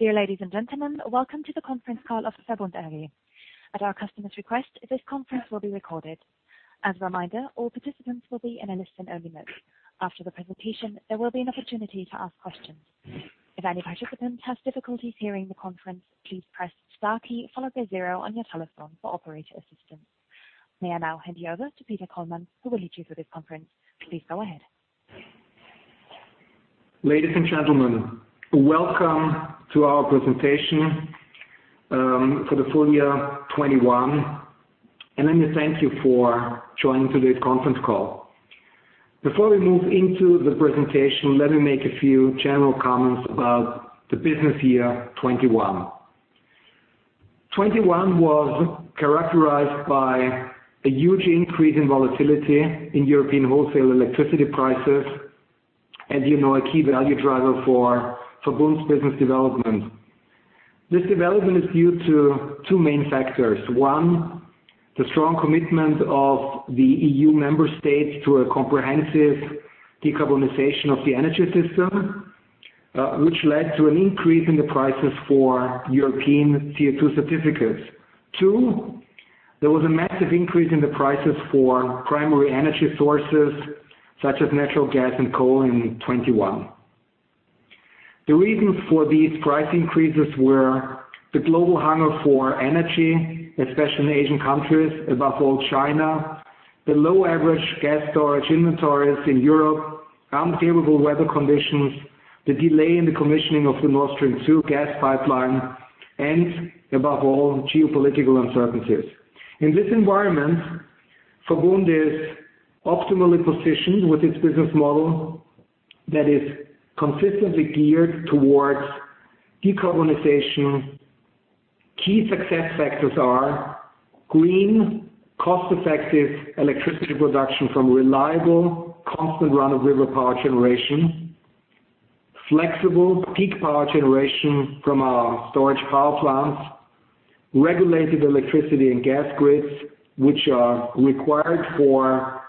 Dear ladies and gentlemen, welcome to the conference call of the VERBUND AG. At our customer's request, this conference will be recorded. As a reminder, all participants will be in a listen-only mode. After the presentation, there will be an opportunity to ask questions. If any participant has difficulties hearing the conference, please press star key followed by zero on your telephone for operator assistance. May I now hand you over to Peter Kollmann, who will lead you through this conference. Please go ahead. Ladies and gentlemen, welcome to our presentation for the full year 2021, and let me thank you for joining today's conference call. Before we move into the presentation, let me make a few general comments about the business year 2021. 2021 was characterized by a huge increase in volatility in European wholesale electricity prices and a key value driver for VERBUND's business development. This development is due to two main factors. One, the strong commitment of the EU member states to a comprehensive decarbonization of the energy system, which led to an increase in the prices for European CO2 certificates. Two, there was a massive increase in the prices for primary energy sources such as natural gas and coal in 2021. The reasons for these price increases were the global hunger for energy, especially in Asian countries, above all China, the low average gas storage inventories in Europe, unfavorable weather conditions, the delay in the commissioning of the Nord Stream 2 gas pipeline, and above all, geopolitical uncertainties. In this environment, VERBUND is optimally positioned with its business model that is consistently geared towards decarbonization. Key success factors are green, cost-effective electricity production from reliable constant run-of-river power generation, flexible peak power generation from our storage power plants, regulated electricity and gas grids, which are required for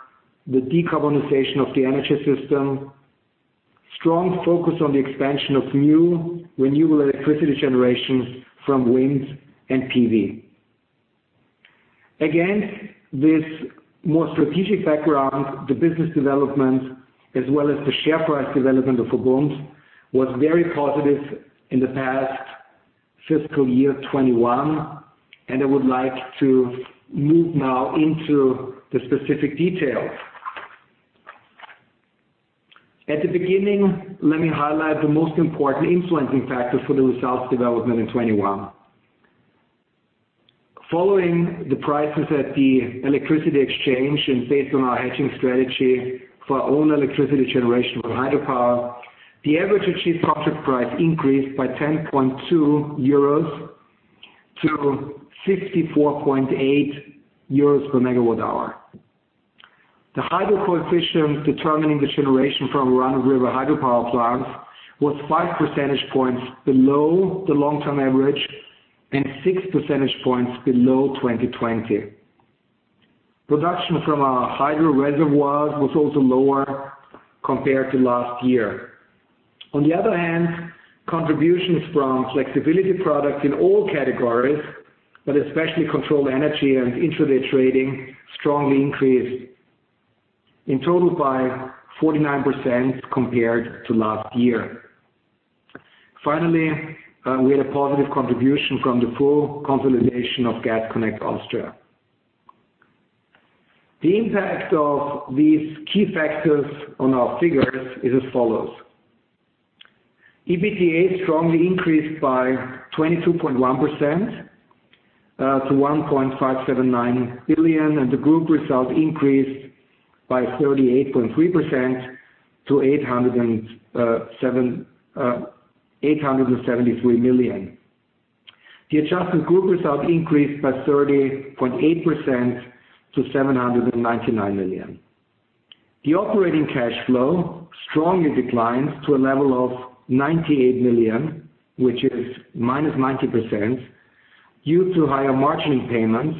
the decarbonization of the energy system, strong focus on the expansion of new renewable electricity generation from wind and PV. Against this more strategic background, the business development, as well as the share price development of VERBUND, was very positive in the past fiscal year 2021, and I would like to move now into the specific details. At the beginning, let me highlight the most important influencing factors for the results development in 2021. Following the prices at the electricity exchange and based on our hedging strategy for our own electricity generation from hydropower, the average achieved subject price increased by 10.2 euros to 64.8 euros per MWh. The hydro coefficient determining the generation from run-of-river hydropower plants was 5 percentage points below the long-term average and 6 percentage points below 2020. Production from our hydro reservoirs was also lower compared to last year. On the other hand, contributions from flexibility products in all categories, but especially control energy and intraday trading, strongly increased in total by 49% compared to last year. Finally, we had a positive contribution from the full consolidation of Gas Connect Austria. The impact of these key factors on our figures is as follows: EBITDA strongly increased by 22.1% to 1.579 billion, and the group results increased by 38.3% to 873 million. The adjusted group results increased by 30.8% to 799 million. The operating cash flow strongly declines to a level of 98 million, which is -90% due to higher margining payments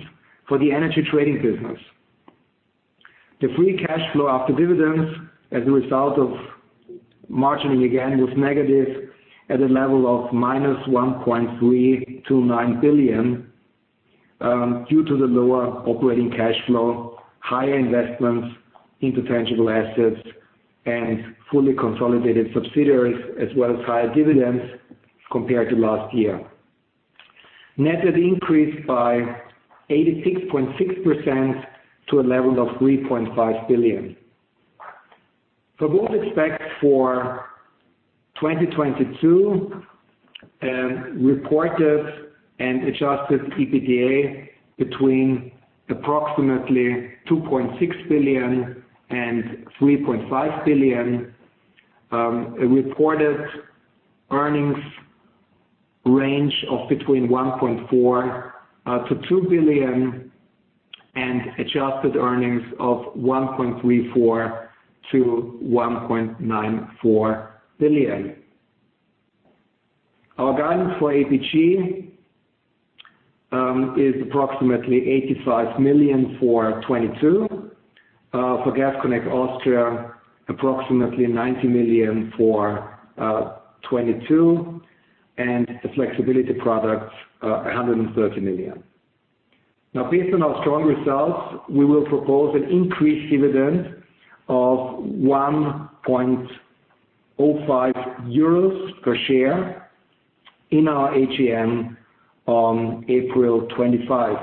for the energy trading business. The free cash flow after dividends as a result of margining, again, was negative at a level of -1.329 billion due to the lower operating cash flow, higher investments into tangible assets and fully consolidated subsidiaries, as well as higher dividends compared to last year. Net had increased by 86.6% to a level of 3.5 billion. VERBUND expects for 2022 reported and adjusted EBITDA between approximately 2.6 billion and 3.5 billion, a reported earnings range of between 1.4 billion to 2 billion, and adjusted earnings of 1.34 billion to 1.94 billion. Our guidance for APG is approximately 85 million for 2022. For Gas Connect Austria, approximately EUR 90 million for 2022, and the flexibility products, 130 million. Based on our strong results, we will propose an increased dividend of 1.05 euros per share in our AGM on April 25.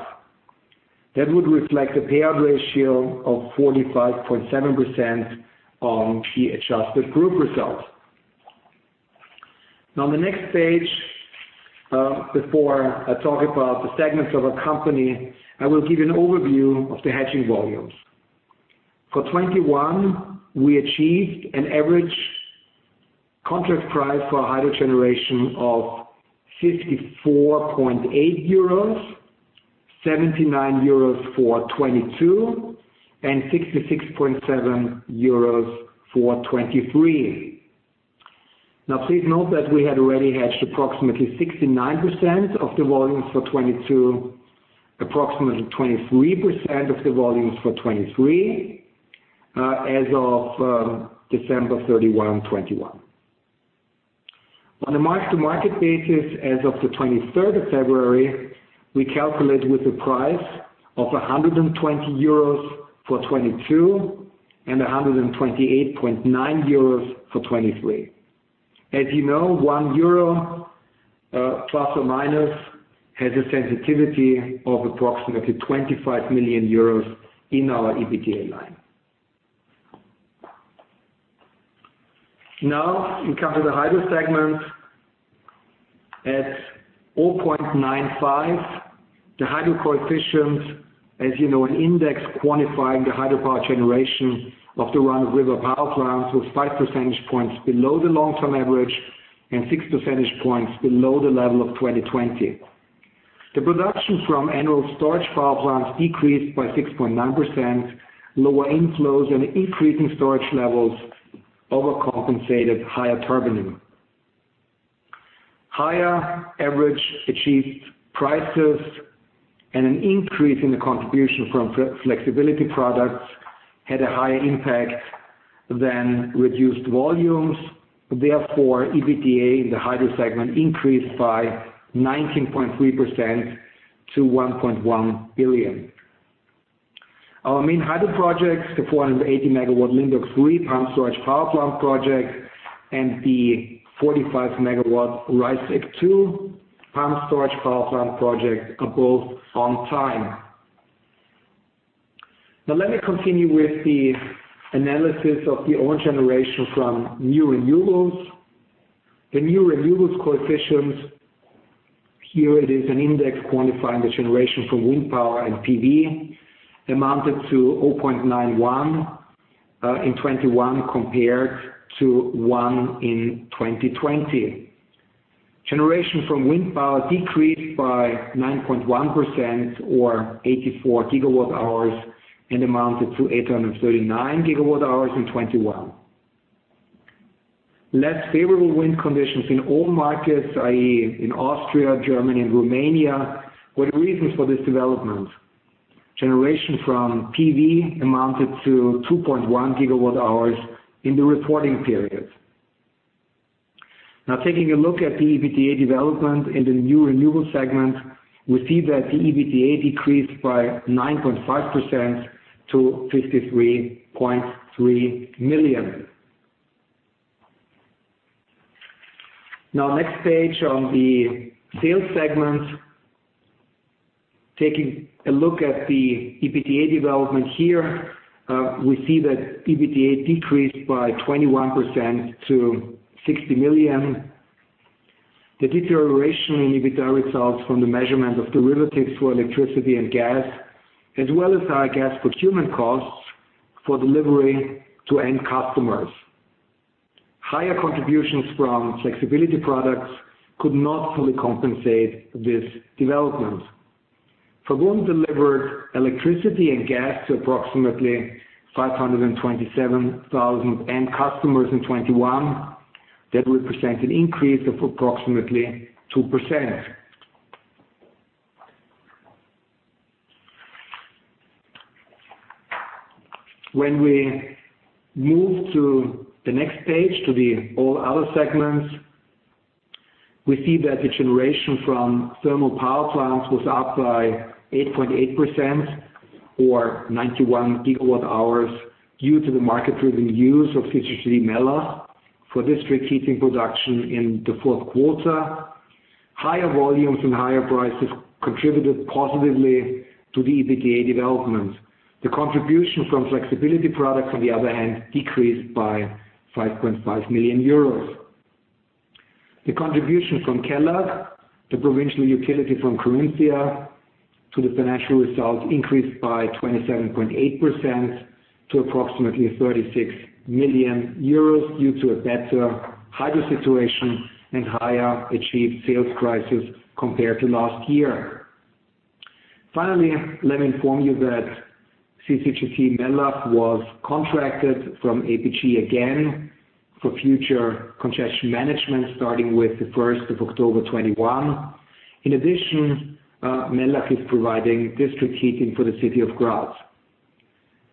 That would reflect a payout ratio of 45.7% on the adjusted group results. On the next page, before I talk about the segments of our company, I will give you an overview of the hedging volumes. For 2021, we achieved an average contract price for hydro generation of 54.8 euros, 79 euros for 2022, and 66.7 euros for 2023. Please note that we had already hedged approximately 69% of the volumes for 2022, approximately 23% of the volumes for 2023, as of December 31, 2021. On a mark-to-market basis as of the 23rd of February, we calculate with a price of 120 euros for 2022 and 128.9 euros for 2023. As you know, 1 euro plus or minus has a sensitivity of approximately 25 million euros in our EBITDA line. Now we come to the hydro segment. At 0.95, the hydro coefficients, as you know, an index quantifying the hydropower generation of the run-of-river power plants was 5 percentage points below the long-term average and 6 percentage points below the level of 2020. The production from annual storage power plants decreased by 6.9%. Lower inflows and increasing storage levels overcompensated higher turbining. Higher average achieved prices and an increase in the contribution from flexibility products had a higher impact than reduced volumes. Therefore, EBITDA in the hydro segment increased by 19.3% to 1.1 billion. Our main hydro projects, the 480 MW Limberg III pumped storage power plant project and the 45 MW Reißeck II pumped storage power plant project, are both on time. Now let me continue with the analysis of the own generation from new renewables. The new renewables coefficients, here it is an index quantifying the generation from wind power and PV, amounted to 0.91 in 2021, compared to 1 in 2020. Generation from wind power decreased by 9.1% or 84 GWh and amounted to 839 GWh in 2021. Less favorable wind conditions in all markets, i.e., in Austria, Germany, and Romania, were the reasons for this development. Generation from PV amounted to 2.1 GW hours in the reporting period. Taking a look at the EBITDA development in the new renewable segment, we see that the EBITDA decreased by 9.5% to EUR 53.3 million. Next page on the sales segment. Taking a look at the EBITDA development here, we see that EBITDA decreased by 21% to 60 million. The deterioration in EBITDA results from the measurement of derivatives for electricity and gas, as well as our gas procurement costs for delivery to end customers. Higher contributions from flexibility products could not fully compensate this development. VERBUND delivered electricity and gas to approximately 527,000 end customers in 2021. That represented increase of approximately 2%. When we move to the next page to the all other segments, we see that the generation from thermal power plants was up by 8.8% or 91 GWh due to the market-driven use of CCGT Mellach for district heating production in the fourth quarter. Higher volumes and higher prices contributed positively to the EBITDA development. The contribution from flexibility products, on the other hand, decreased by 5.5 million euros. The contribution from Kelag, the provincial utility from Carinthia, to the financial results increased by 27.8% to approximately 36 million euros due to a better hydro situation and higher achieved sales prices compared to last year. Finally, let me inform you that CCGT Mellach was contracted from APG again for future congestion management starting with October 1, 2021. In addition, Mellach is providing district heating for the city of Graz.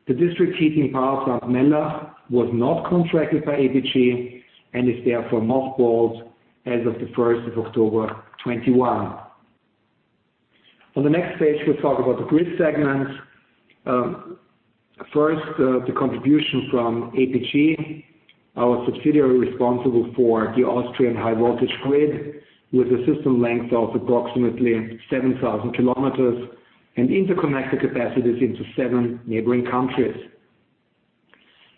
The district heating part of Mellach was not contracted by APG and is therefore not bought as of the first of October 2021. On the next page, we'll talk about the grid segments. First, the contribution from APG, our subsidiary responsible for the Austrian high voltage grid with a system length of approximately 7,000 kilometers and interconnected capacities into seven neighboring countries.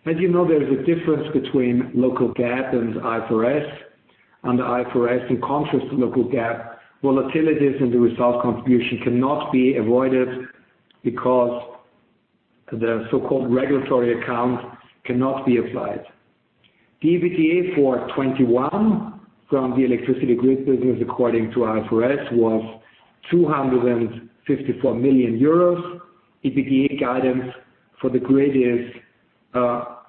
As you know, there is a difference between local GAAP and IFRS. Under IFRS, in contrast to local GAAP, volatilities into result contribution cannot be avoided because the so-called regulatory account cannot be applied. The EBITDA for 2021 from the electricity grid business according to IFRS was 254 million euros. EBITDA guidance for the grid is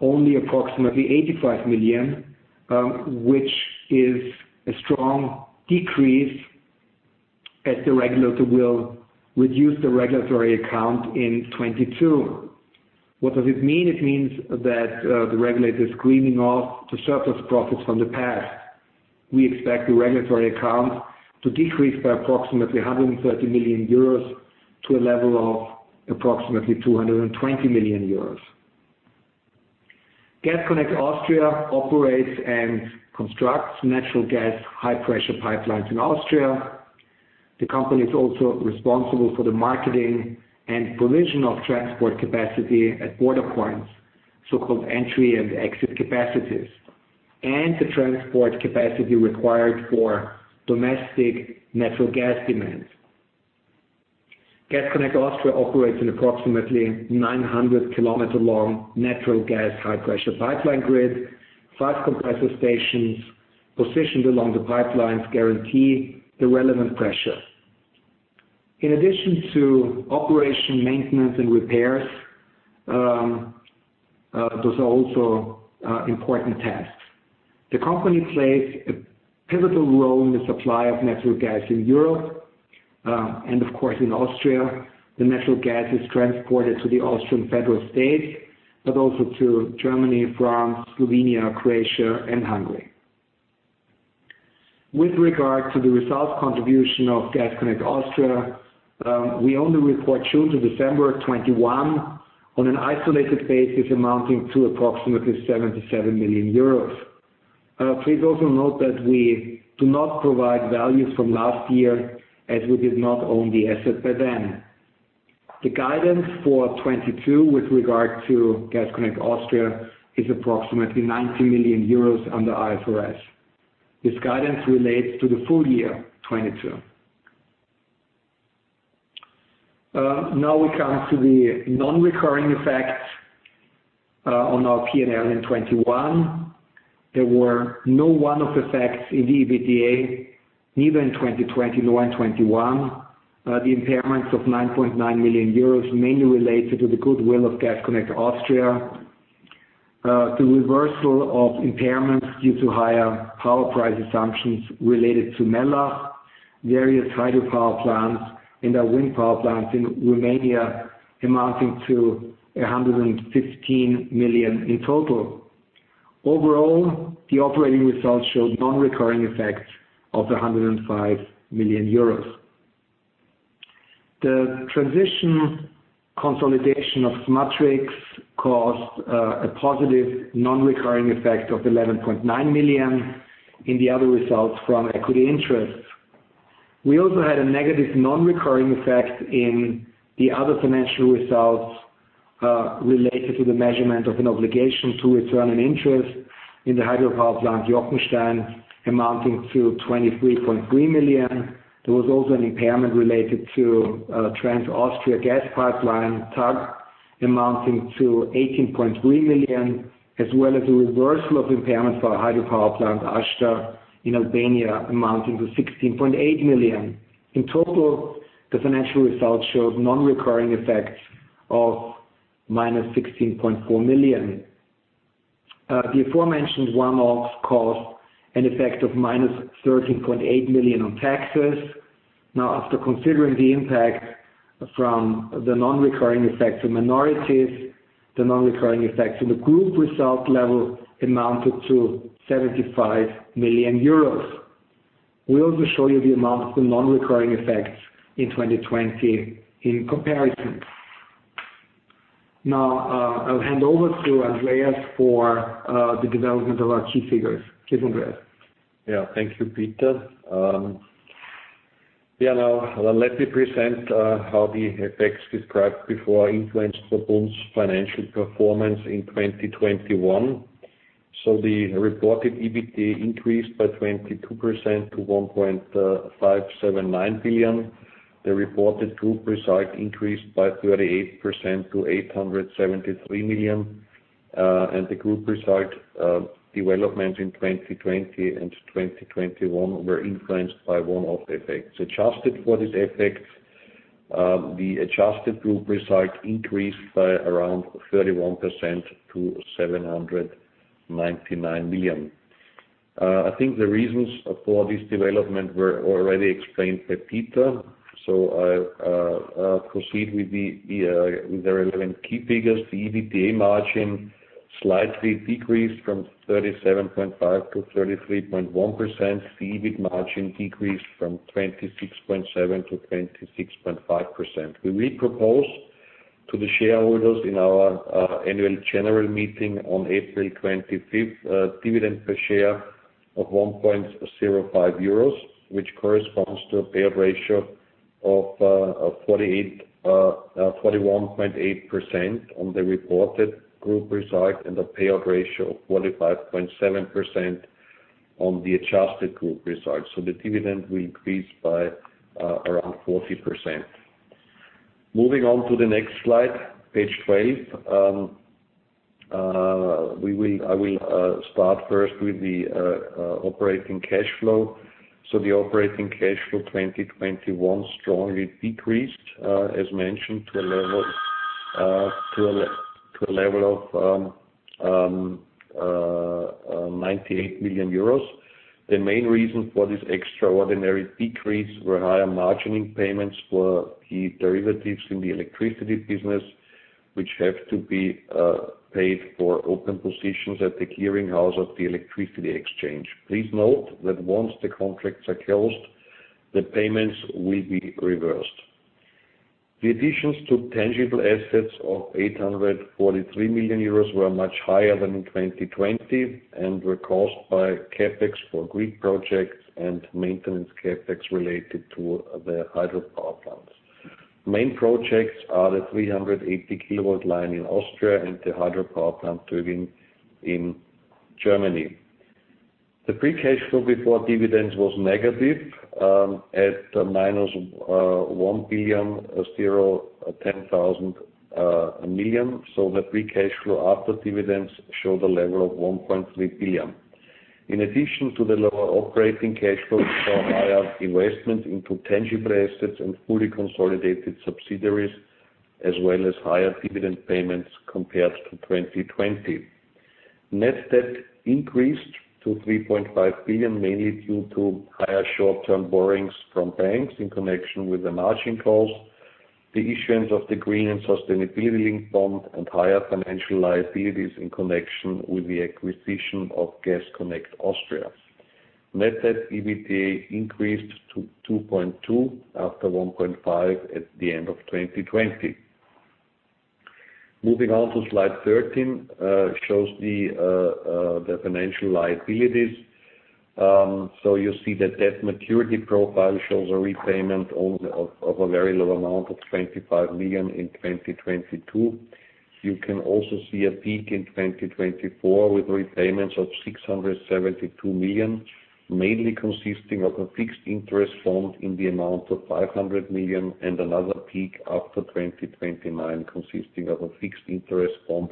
only approximately 85 million, which is a strong decrease as the regulator will reduce the regulatory account in 2022. What does it mean? It means that the regulator is skimming off the surplus profits from the past. We expect the regulatory account to decrease by approximately 130 million euros to a level of approximately 220 million euros. Gas Connect Austria operates and constructs natural gas high-pressure pipelines in Austria. The company is also responsible for the marketing and provision of transport capacity at border points, so-called entry and exit capacities, and the transport capacity required for domestic natural gas demand. Gas Connect Austria operates an approximately 900-kilometer-long natural gas high-pressure pipeline grid. Five compressor stations positioned along the pipelines guarantee the relevant pressure. In addition to operation, maintenance and repairs, those are also important tasks. The company plays a pivotal role in the supply of natural gas in Europe, and of course, in Austria. The natural gas is transported to the Austrian federal states, but also to Germany, France, Slovenia, Croatia and Hungary. With regard to the results contribution of Gas Connect Austria, we only report June to December 2021 on an isolated basis amounting to approximately 77 million euros. Please also note that we do not provide values from last year as we did not own the asset by then. The guidance for 2022 with regard to Gas Connect Austria is approximately 90 million euros under IFRS. This guidance relates to the full year 2022. Now we come to the non-recurring effects on our P&L in 2021. There were no one-off effects in the EBITDA, neither in 2020 nor in 2021. The impairments of 9.9 million euros mainly related to the goodwill of Gas Connect Austria. The reversal of impairments due to higher power price assumptions related to Mellach, various hydropower plants and our wind power plants in Romania amounting to 115 million in total. Overall, the operating results showed non-recurring effects of 105 million euros. The transition consolidation of Smatrics caused a positive non-recurring effect of 11.9 million in the other results from equity interest. We also had a negative non-recurring effect in the other financial results related to the measurement of an obligation to return an interest in the hydropower plant Jochenstein amounting to 23.3 million. There was also an impairment related to Trans Austria Gas Pipeline, TAG, amounting to 18.3 million, as well as a reversal of impairment for our hydropower plant Ashta in Albania amounting to 16.8 million. In total, the financial results showed non-recurring effects of -16.4 million. The aforementioned one-offs caused an effect of -13.8 million on taxes. Now, after considering the impact from the non-recurring effects of minorities, the non-recurring effects in the group result level amounted to 75 million euros. We also show you the amount of the non-recurring effects in 2020 in comparison. Now, I'll hand over to Andreas for the development of our key figures. Cheers, Andreas. Thank you, Peter. Now let me present how the effects described before influenced VERBUND's financial performance in 2021. The reported EBT increased by 22% to 1.579 billion. The reported group result increased by 38% to 873 million. The group result developments in 2020 and 2021 were influenced by one-off effects. Adjusted for this effect, the adjusted group result increased by around 31% to 799 million. I think the reasons for this development were already explained by Peter. I'll proceed with the relevant key figures. The EBITDA margin slightly decreased from 37.5% to 33.1%. The EBIT margin decreased from 26.7% to 26.5%. We will propose to the shareholders in our annual general meeting on April 25 dividend per share of 1.05 euros, which corresponds to a payout ratio of 41.8% on the reported group result and a payout ratio of 45.7% on the adjusted group results. The dividend will increase by around 40%. Moving on to the next slide, page 12. I will start first with the operating cash flow. The operating cash flow 2021 strongly decreased, as mentioned, to a level of 98 million euros. The main reasons for this extraordinary decrease were higher margining payments for key derivatives in the electricity business, which have to be paid for open positions at the clearinghouse of the electricity exchange. Please note that once the contracts are closed, the payments will be reversed. The additions to tangible assets of 843 million euros were much higher than in 2020 and were caused by CapEx for grid projects and maintenance CapEx related to the hydropower plants. Main projects are the 380 kV line in Austria and the hydropower plant turbine in Germany. The free cash flow before dividends was negative at minus 1.010 billion. The free cash flow after dividends show the level of 1.3 billion. In addition to the lower operating cash flows from higher investment into tangible assets and fully consolidated subsidiaries, as well as higher dividend payments compared to 2020. Net debt increased to 3.5 billion, mainly due to higher short-term borrowings from banks in connection with the margining costs, the issuance of the green and sustainability-linked bond, and higher financial liabilities in connection with the acquisition of Gas Connect Austria. Net debt/EBITDA increased to 2.2 after 1.5 at the end of 2020. Moving on to slide 13, shows the financial liabilities. You see the debt maturity profile shows a repayment of a very low amount of 25 million in 2022. You can also see a peak in 2024 with repayments of 672 million, mainly consisting of a fixed interest bond in the amount of 500 million, and another peak after 2029, consisting of a fixed interest bond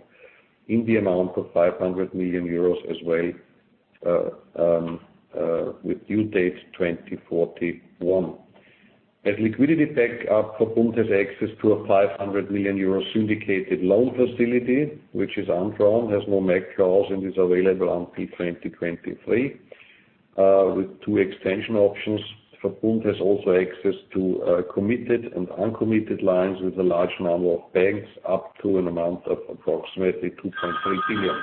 in the amount of 500 million euros as well, with due date 2041. As liquidity backup, VERBUND has access to a 500 million euro syndicated loan facility, which is undrawn, has no make clause, and is available until 2023, with two extension options. VERBUND has also access to committed and uncommitted lines with a large number of banks up to an amount of approximately 2.3 billion.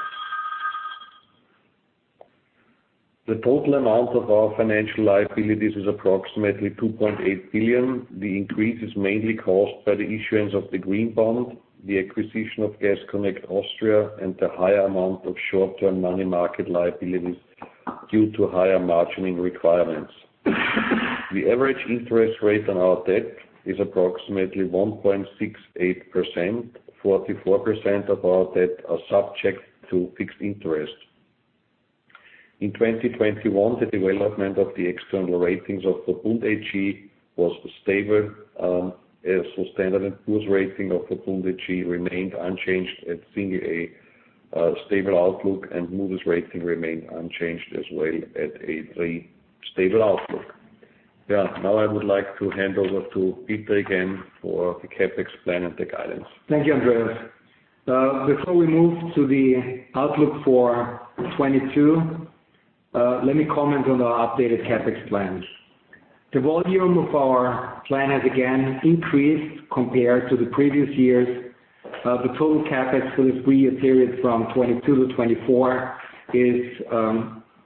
The total amount of our financial liabilities is approximately 2.8 billion. The increase is mainly caused by the issuance of the green bond, the acquisition of Gas Connect Austria, and the higher amount of short-term money market liabilities due to higher margining requirements. The average interest rate on our debt is approximately 1.68%. 44% of our debt are subject to fixed interest. In 2021, the development of the external ratings of VERBUND AG was stable. Standard & Poor's rating of VERBUND AG remained unchanged at A, stable outlook, and Moody's rating remained unchanged as well at A3 stable outlook. Now I would like to hand over to Peter again for the CapEx plan and the guidance. Thank you, Andreas. Before we move to the outlook for 2022, let me comment on our updated CapEx plans. The volume of our plan has again increased compared to the previous years. The total CapEx for the three-year period from 2022 to 2024 is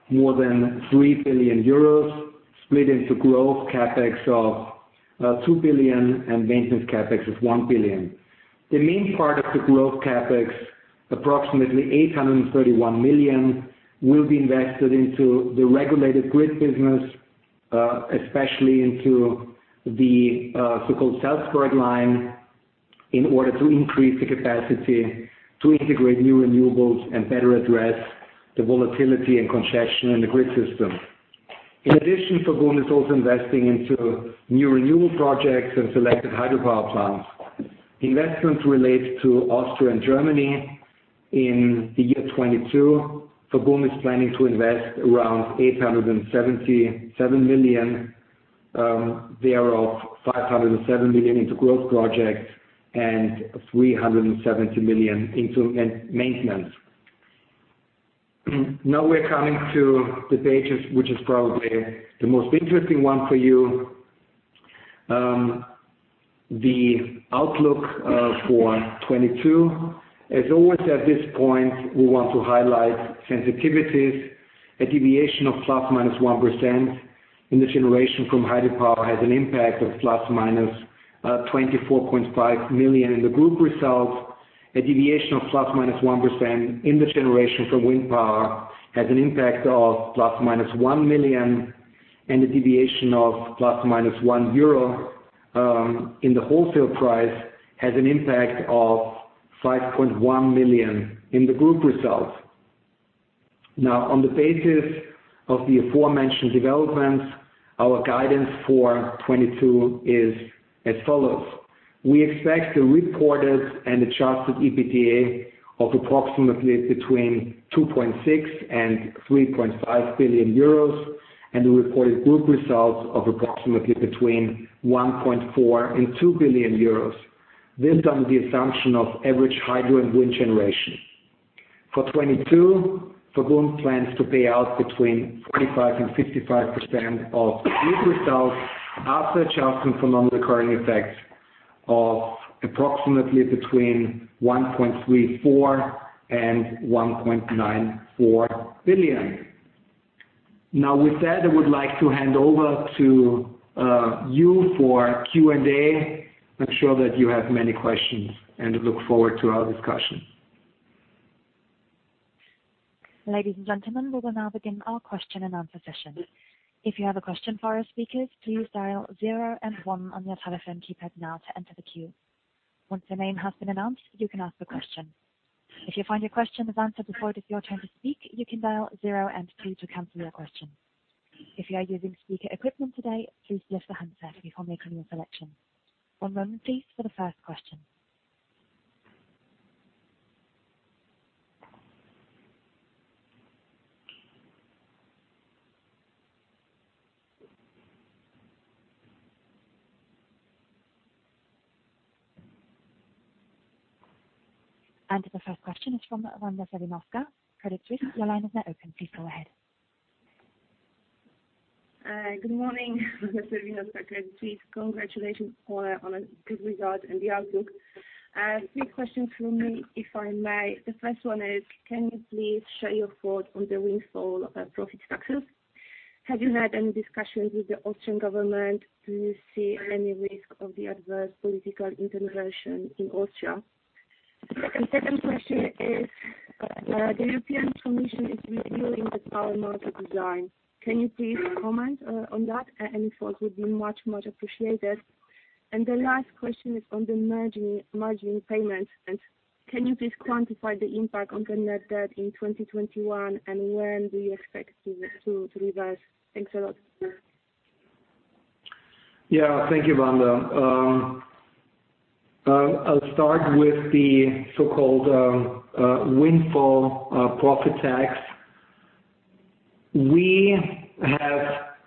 more than 3 billion euros, split into growth CapEx of 2 billion and maintenance CapEx of 1 billion. The main part of the growth CapEx, approximately 831 million, will be invested into the regulated grid business, especially into the so-called Salzburg Line, in order to increase the capacity to integrate new renewables and better address the volatility and congestion in the grid system. In addition, VERBUND is also investing into new renewable projects and selected hydropower plants. Investments relate to Austria and Germany. In the year 2022, VERBUND is planning to invest around 877 million, thereof 507 million into growth projects and 370 million into maintenance. Now we're coming to the page which is probably the most interesting one for you. The outlook for 2022. As always, at this point, we want to highlight sensitivities. A deviation of ±1% in the generation from hydropower has an impact of ±24.5 million in the group results. A deviation of ±1% in the generation from wind power has an impact of ±1 million, and a deviation of ±1 euro in the wholesale price has an impact of 5.1 million in the group results. On the basis of the aforementioned developments, our guidance for 2022 is as follows. We expect the reported and adjusted EBITDA of approximately between 2.6 billion and 3.5 billion euros, and the reported group results of approximately between 1.4 billion and 2 billion euros. This on the assumption of average hydro and wind generation. For 2022, VERBUND plans to pay out between 45% and 55% of group results after adjusting for non-recurring effects of approximately between 1.34 billion and 1.94 billion. With that, I would like to hand over to you for Q&A. I'm sure that you have many questions, and I look forward to our discussion. Ladies and gentlemen, we will now begin our question and answer session. If you have a question for our speakers, please dial zero and one on your telephone keypad now to enter the queue. Once your name has been announced, you can ask a question. If you find your question has answered before it is your turn to speak, you can dial zero and two to cancel your question. If you are using speaker equipment today, please lift the handset before making your selection. One moment please for the first question. The first question is from Wanda Serwinowska, Credit Suisse. Your line is now open. Please go ahead. Good morning. Wanda Serwinowska, Credit Suisse. Congratulations all on a good result and the outlook. Three questions from me, if I may. The first one is, can you please share your thoughts on the windfall of profit taxes? Have you had any discussions with the Austrian government? Do you see any risk of the adverse political intervention in Austria? Second question is, the European Commission is reviewing the power market design. Can you please comment on that? Any thought would be much appreciated. The last question is on the margining payments, and can you please quantify the impact on the net debt in 2021, and when do you expect it to reverse? Thanks a lot. Yeah. Thank you, Wanda. I'll start with the so-called windfall profit tax. We have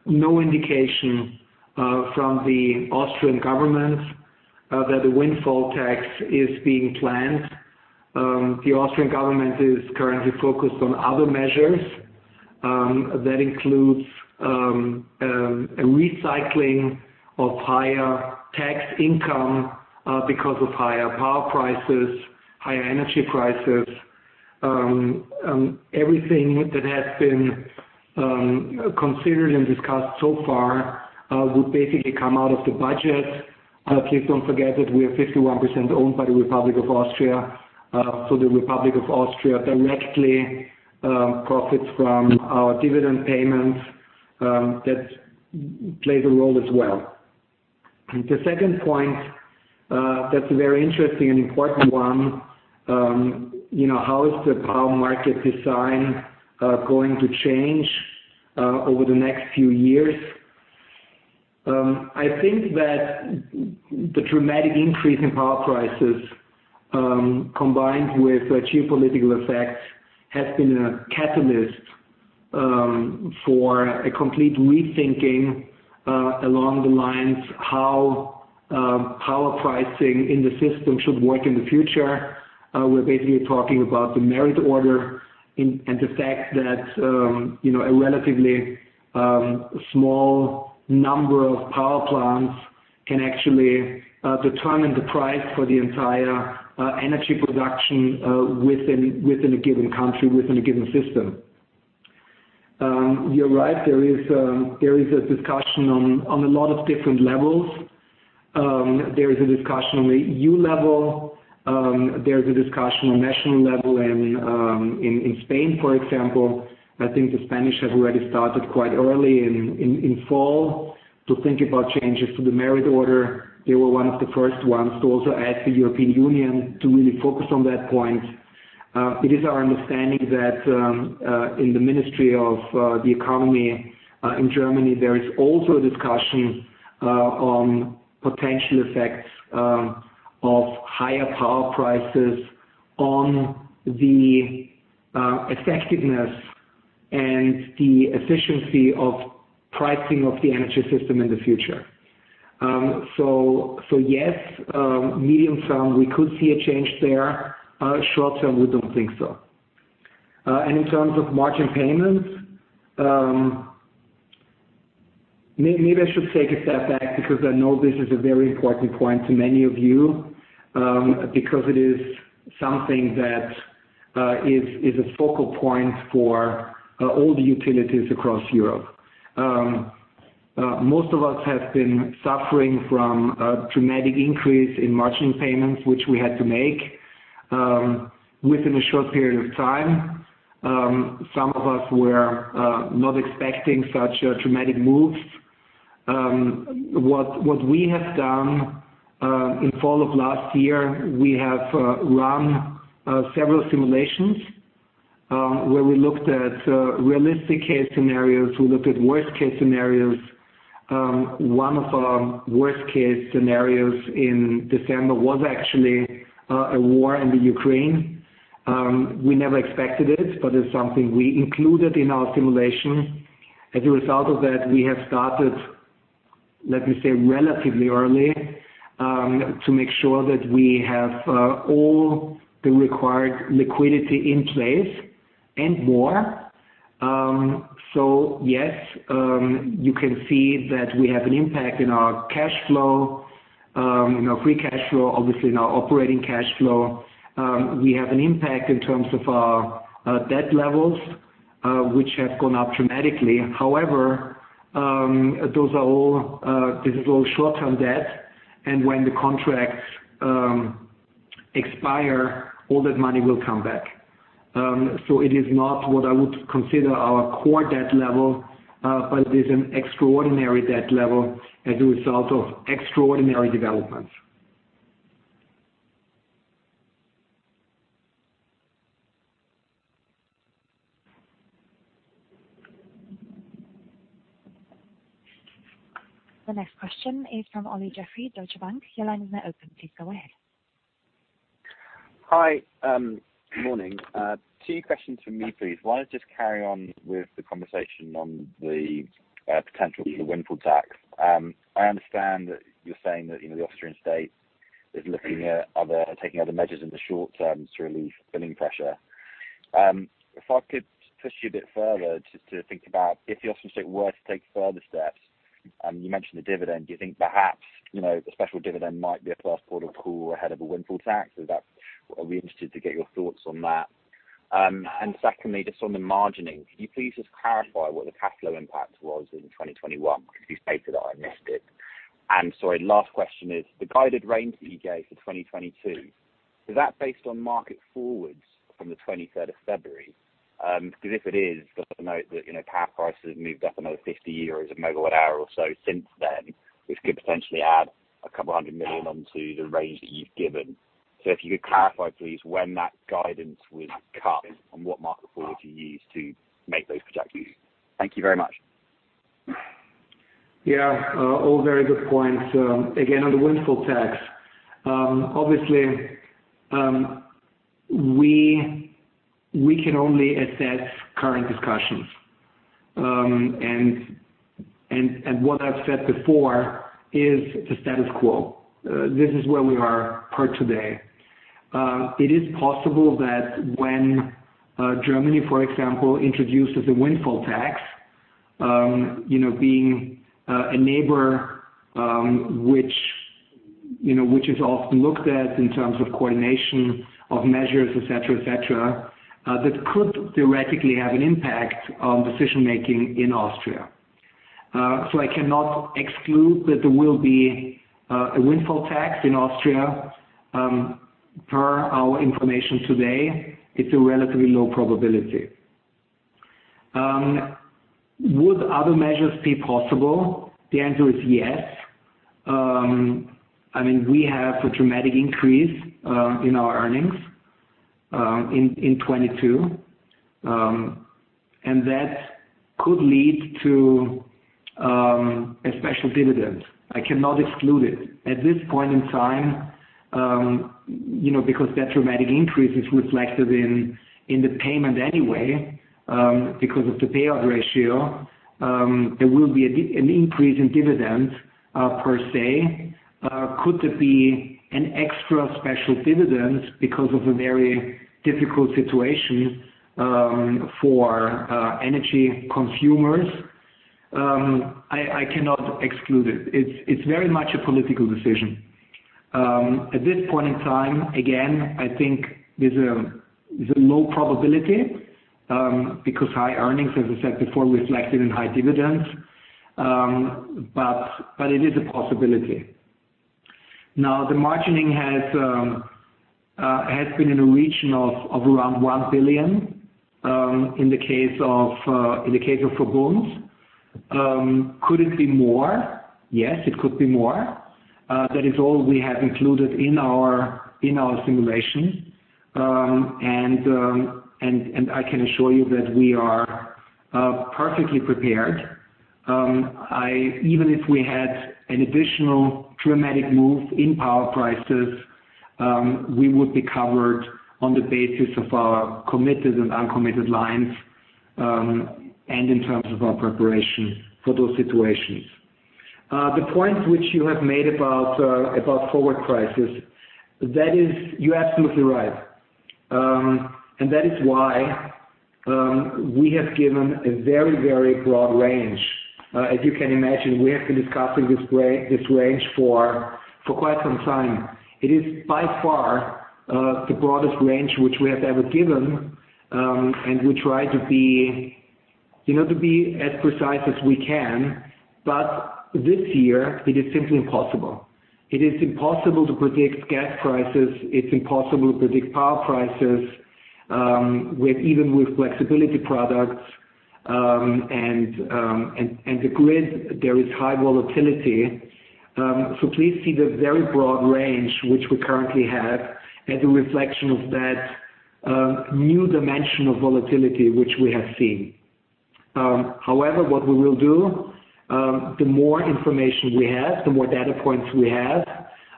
no indication from the Austrian government that a windfall tax is being planned. The Austrian government is currently focused on other measures that includes a recycling of higher tax income because of higher power prices, higher energy prices. Everything that has been considered and discussed so far would basically come out of the budget. Please don't forget that we are 51% owned by the Republic of Austria. The Republic of Austria directly profits from our dividend payments that plays a role as well. The second point that's a very interesting and important one. You know, how is the power market design going to change over the next few years? I think that the dramatic increase in power prices, combined with geopolitical effects, has been a catalyst for a complete rethinking along the lines how power pricing in the system should work in the future. We're basically talking about the merit order and the fact that, you know, a relatively small number of power plants can actually determine the price for the entire energy production within a given country within a given system. You're right. There is a discussion on a lot of different levels. There is a discussion on the EU level. There's a discussion on national level in Spain, for example. I think the Spanish have already started quite early in fall to think about changes to the merit order. They were one of the first ones to also ask the European Union to really focus on that point. It is our understanding that in the Ministry of the Economy in Germany, there is also a discussion on potential effects of higher power prices on the effectiveness and the efficiency of pricing of the energy system in the future. Yes, medium-term, we could see a change there. Short-term, we don't think so. In terms of margin payments, maybe I should take a step back because I know this is a very important point to many of you, because it is something that is a focal point for all the utilities across Europe. Most of us have been suffering from a dramatic increase in margin payments, which we had to make, within a short period of time. Some of us were not expecting such a dramatic move. What we have done in fall of last year, we have run several simulations where we looked at realistic case scenarios. We looked at worst-case scenarios. One of our worst-case scenarios in December was actually a war in the Ukraine. We never expected it, but it's something we included in our simulation. As a result of that, we have started, let me say, relatively early, to make sure that we have all the required liquidity in place and more. Yes, you can see that we have an impact in our cash flow, in our free cash flow, obviously in our operating cash flow. We have an impact in terms of our debt levels, which have gone up dramatically. However, this is all short-term debt, and when the contracts expire, all that money will come back. It is not what I would consider our core debt level, but it is an extraordinary debt level as a result of extraordinary developments. The next question is from Olly Jeffery, Deutsche Bank. Your line is now open. Please go ahead. Hi, morning. Two questions from me, please. One is just carry on with the conversation on the potential for the windfall tax. I understand that you're saying that, you know, the Austrian state is looking at taking other measures in the short term to relieve billing pressure. If I could push you a bit further just to think about if the Austrian state were to take further steps, and you mentioned the dividend, do you think perhaps, you know, the special dividend might be a first port of call ahead of a windfall tax? Is that? Are we interested to get your thoughts on that? Secondly, just on the margining, can you please just clarify what the cash flow impact was in 2021? Because you stated that I missed it. Sorry, last question is, the guidance range that you gave for 2022, is that based on market forwards from the 23rd of February? Because if it is, just to note that, you know, power prices have moved up another 50 EUR/MWh or so since then, which could potentially add 200 million onto the range that you've given. If you could clarify, please, when that guidance was cut and what market forward you used to make those projections. Thank you very much. Yeah, all very good points. Again, on the windfall tax, obviously, we can only assess current discussions. What I've said before is the status quo. This is where we are per today. It is possible that when Germany, for example, introduces a windfall tax, you know, being a neighbor, which, you know, which is often looked at in terms of coordination of measures, et cetera, et cetera, that could theoretically have an impact on decision-making in Austria. I cannot exclude that there will be a windfall tax in Austria. Per our information today, it's a relatively low probability. Would other measures be possible? The answer is yes. I mean, we have a dramatic increase in our earnings in 2022. That could lead to a special dividend. I cannot exclude it. At this point in time, you know, because that dramatic increase is reflected in the payment anyway, because of the payout ratio, there will be an increase in dividends, per se. Could there be an extra special dividend because of a very difficult situation for energy consumers? I cannot exclude it. It's very much a political decision. At this point in time, again, I think there's a low probability, because high earnings, as I said before, reflected in high dividends. But it is a possibility. Now, the margining has been in a region of around 1 billion, in the case of VERBUND. Could it be more? Yes, it could be more. That is all we have included in our simulation. I can assure you that we are perfectly prepared. Even if we had an additional dramatic move in power prices, we would be covered on the basis of our committed and uncommitted lines, and in terms of our preparation for those situations. The point which you have made about forward prices. You're absolutely right. That is why we have given a very, very broad range. As you can imagine, we have been discussing this range for quite some time. It is by far the broadest range which we have ever given, and we try to be, you know, to be as precise as we can, but this year it is simply impossible. It is impossible to predict gas prices. It's impossible to predict power prices, even with flexibility products, and the grid, there is high volatility. Please see the very broad range which we currently have as a reflection of that new dimension of volatility which we have seen. However, what we will do, the more information we have, the more data points we have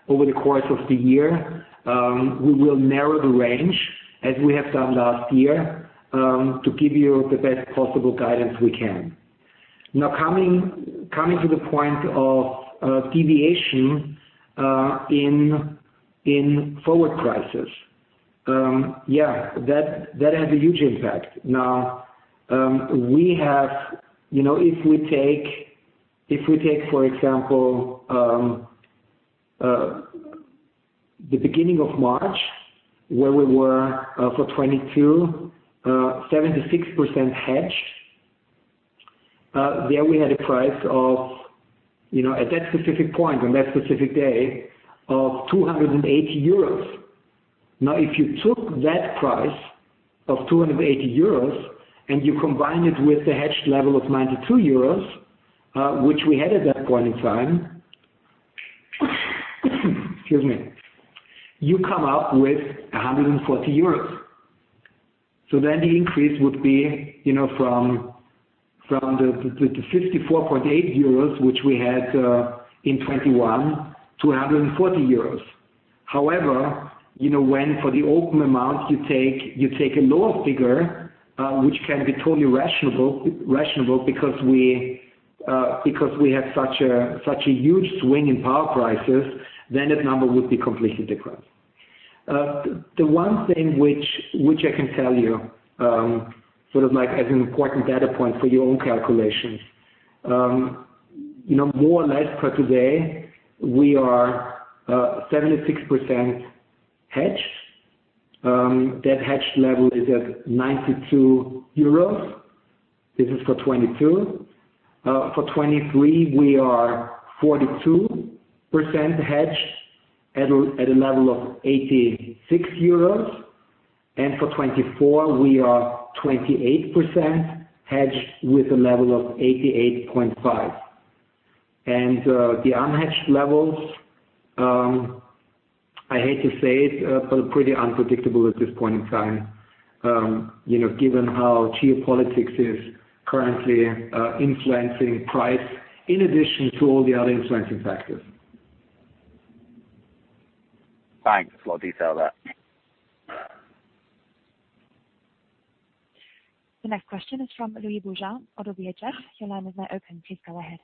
over the course of the year, we will narrow the range as we have done last year, to give you the best possible guidance we can. Coming to the point of deviation in forward prices. Yeah, that has a huge impact. You know, if we take, for example, the beginning of March, where we were for 2022 76% hedged, there we had a price of, you know, at that specific point, on that specific day of 280 euros. Now, if you took that price of 280 euros and you combine it with the hedged level of 92 euros, which we had at that point in time, excuse me, you come up with 140 euros. The increase would be, you know, from the 54.8 euros, which we had in 2021 to 140 euros. However, you know, when for the open amount you take, you take a lower figure, which can be totally rational because we have such a huge swing in power prices, then that number would be completely different. The one thing which I can tell you, sort of like as an important data point for your own calculations. You know, more or less as of today, we are 76% hedged. That hedged level is at 92 euros. This is for 2022. For 2023, we are 42% hedged at a level of 86 euros. For 2024 we are 28% hedged with a level of 88.5. The unhedged levels, I hate to say it, but pretty unpredictable at this point in time. You know, given how geopolitics is currently influencing price in addition to all the other influencing factors. Thanks. A lot of detail there. The next question is from Louis Boujard, ODDO BHF. Your line is now open. Please go ahead.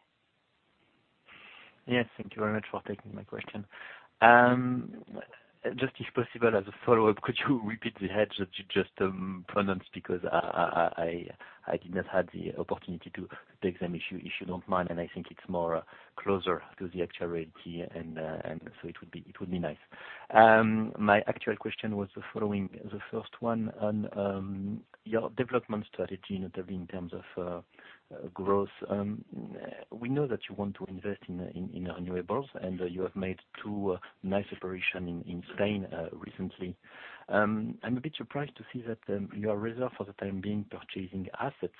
Yes, thank you very much for taking my question. Just if possible, as a follow-up, could you repeat the hedge that you just pronounced because I did not have the opportunity to take them if you don't mind, and I think it's more closer to the actual rate here and so it would be nice. My actual question was the following. The first one on your development strategy, notably in terms of growth. We know that you want to invest in renewables, and you have made two nice operation in Spain recently. I'm a bit surprised to see that you are reserve for the time being, purchasing assets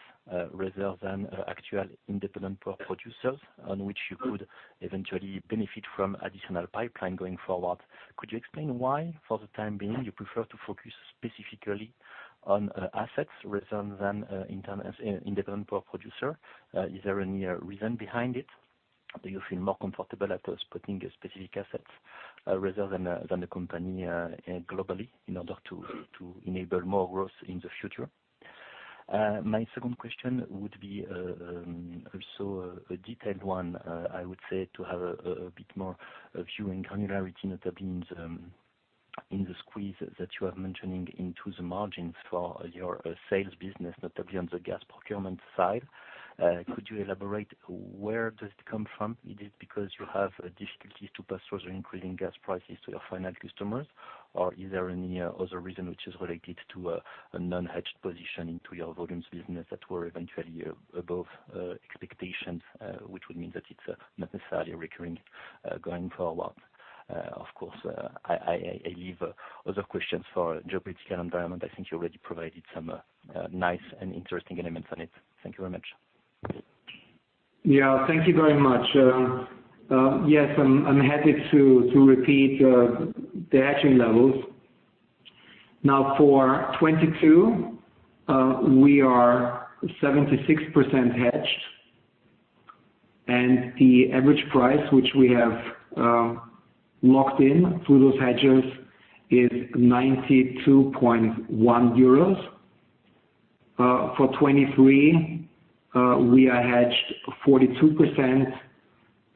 rather than actual independent power producers on which you could eventually benefit from additional pipeline going forward. Could you explain why for the time being, you prefer to focus specifically on assets rather than an independent power producer? Is there any reason behind it? Do you feel more comfortable after acquiring a specific asset rather than the company globally in order to enable more growth in the future? My second question would be also a detailed one, I would say, to have a bit more in terms of granularity, notably in the squeeze that you are mentioning in the margins for your sales business, notably on the gas procurement side. Could you elaborate where does it come from? Is it because you have a difficulty to pass through the increasing gas prices to your final customers, or is there any other reason which is related to a non-hedged position into your volumes business that were eventually above expectations, which would mean that it's not necessarily recurring going forward? Of course, I leave other questions for geopolitical environment. I think you already provided some nice and interesting elements on it. Thank you very much. Yeah. Thank you very much. Yes, I'm happy to repeat the hedging levels. Now for 2022, we are 76% hedged, and the average price which we have locked in through those hedges is 92.1 euros. For 2023, we are hedged 42%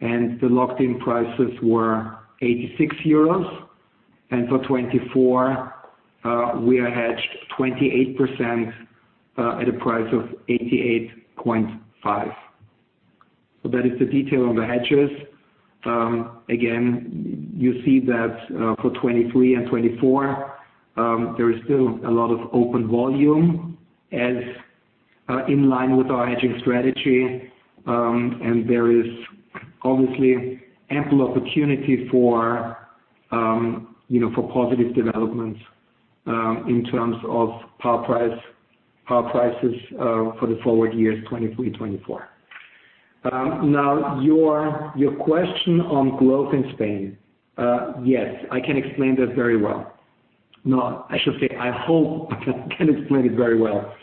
and the locked in prices were 86 euros. For 2024, we are hedged 28% at a price of 88.5. That is the detail on the hedges. Again, you see that for 2023 and 2024, there is still a lot of open volume as in line with our hedging strategy. There is obviously ample opportunity for you know, for positive developments in terms of power prices for the forward years 2023, 2024. Now your question on growth in Spain. Yes, I can explain that very well. No, I should say I hope I can explain it very well.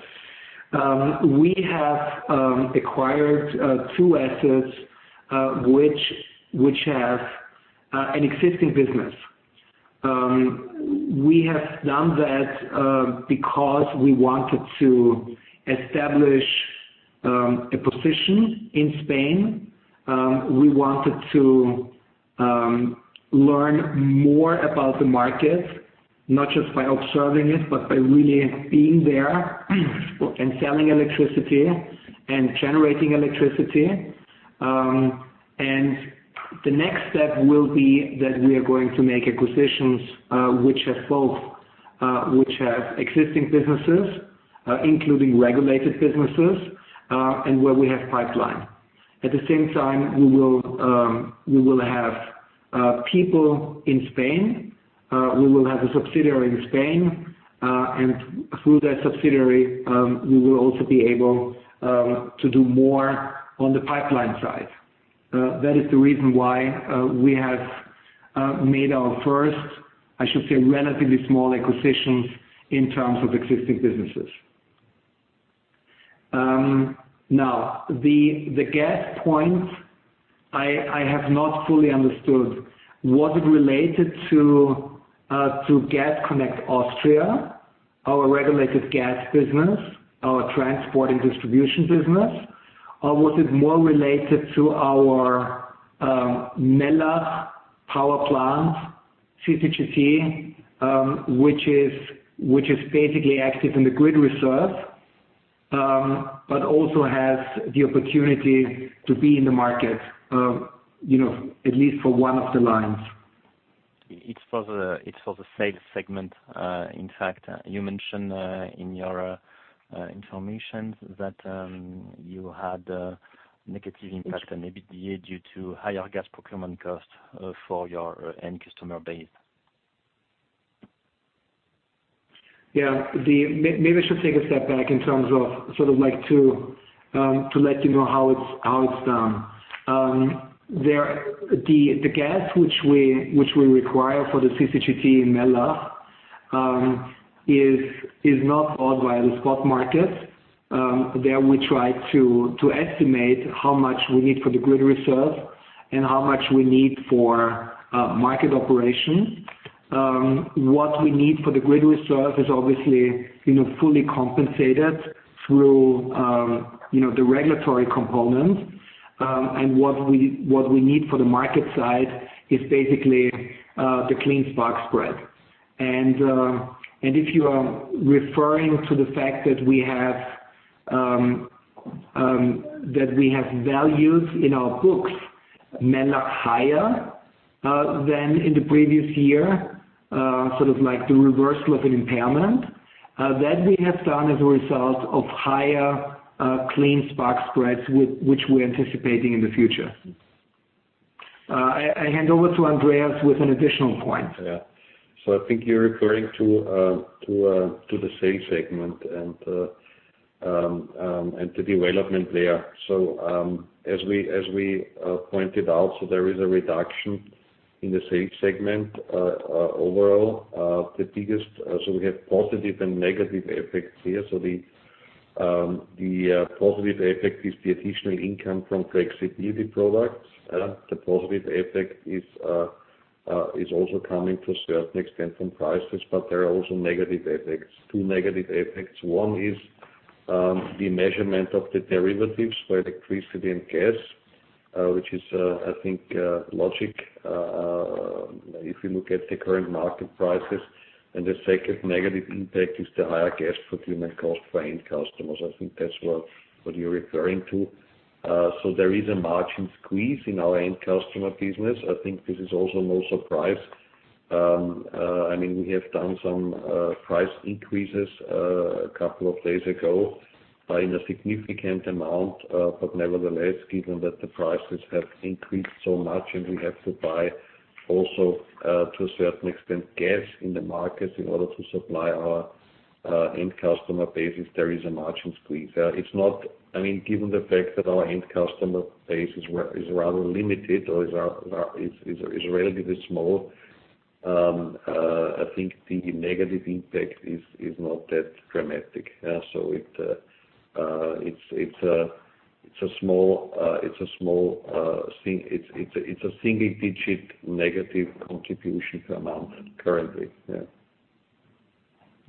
We have acquired two assets which have an existing business. We have done that because we wanted to establish a position in Spain. We wanted to learn more about the market, not just by observing it, but by really being there and selling electricity and generating electricity. The next step will be that we are going to make acquisitions which have both existing businesses, including regulated businesses, and where we have pipeline. At the same time, we will have people in Spain, we will have a subsidiary in Spain, and through that subsidiary, we will also be able to do more on the pipeline side. That is the reason why we have made our first, I should say, relatively small acquisitions in terms of existing businesses. Now the gas point, I have not fully understood. Was it related to Gas Connect Austria, our regulated gas business, our transport and distribution business? Or was it more related to our Mellach power plant, CCGT, which is basically active in the grid reserve, but also has the opportunity to be in the market, you know, at least for one of the lines. It's for the sales segment. In fact, you mentioned in your information that you had a negative impact on EBITDA due to higher gas procurement costs for your end customer base. Yeah. Maybe I should take a step back in terms of, sort of like to let you know how it's done. The gas which we require for the CCGT in Mellach is not bought via the spot market. There we try to estimate how much we need for the grid reserve and how much we need for market operation. What we need for the grid reserve is obviously, you know, fully compensated through, you know, the regulatory component. What we need for the market side is basically the clean spark spread. If you are referring to the fact that we have values in our books, Mellach higher than in the previous year, sort of like the reversal of an impairment that we have done as a result of higher clean spark spreads which we're anticipating in the future. I hand over to Andreas with an additional point. Yeah. I think you're referring to the sales segment and the development there. As we pointed out, there is a reduction in the sales segment overall. We have positive and negative effects here. The positive effect is the additional income from flexibility products. The positive effect is also coming to a certain extent from prices, but there are also negative effects. Two negative effects. One is the measurement of the derivatives for electricity and gas, which is, I think, logical, if you look at the current market prices. The second negative impact is the higher gas procurement cost for end customers. I think that's what you're referring to. There is a margin squeeze in our end customer business. I think this is also no surprise. I mean, we have done some price increases a couple of days ago in a significant amount. Nevertheless, given that the prices have increased so much and we have to buy, also to a certain extent, gas in the market in order to supply our end customer bases, there is a margin squeeze. I mean, given the fact that our end customer base is rather limited or is relatively small, I think the negative impact is not that dramatic. It's a small thing. It's a single digit negative contribution amount currently, yeah.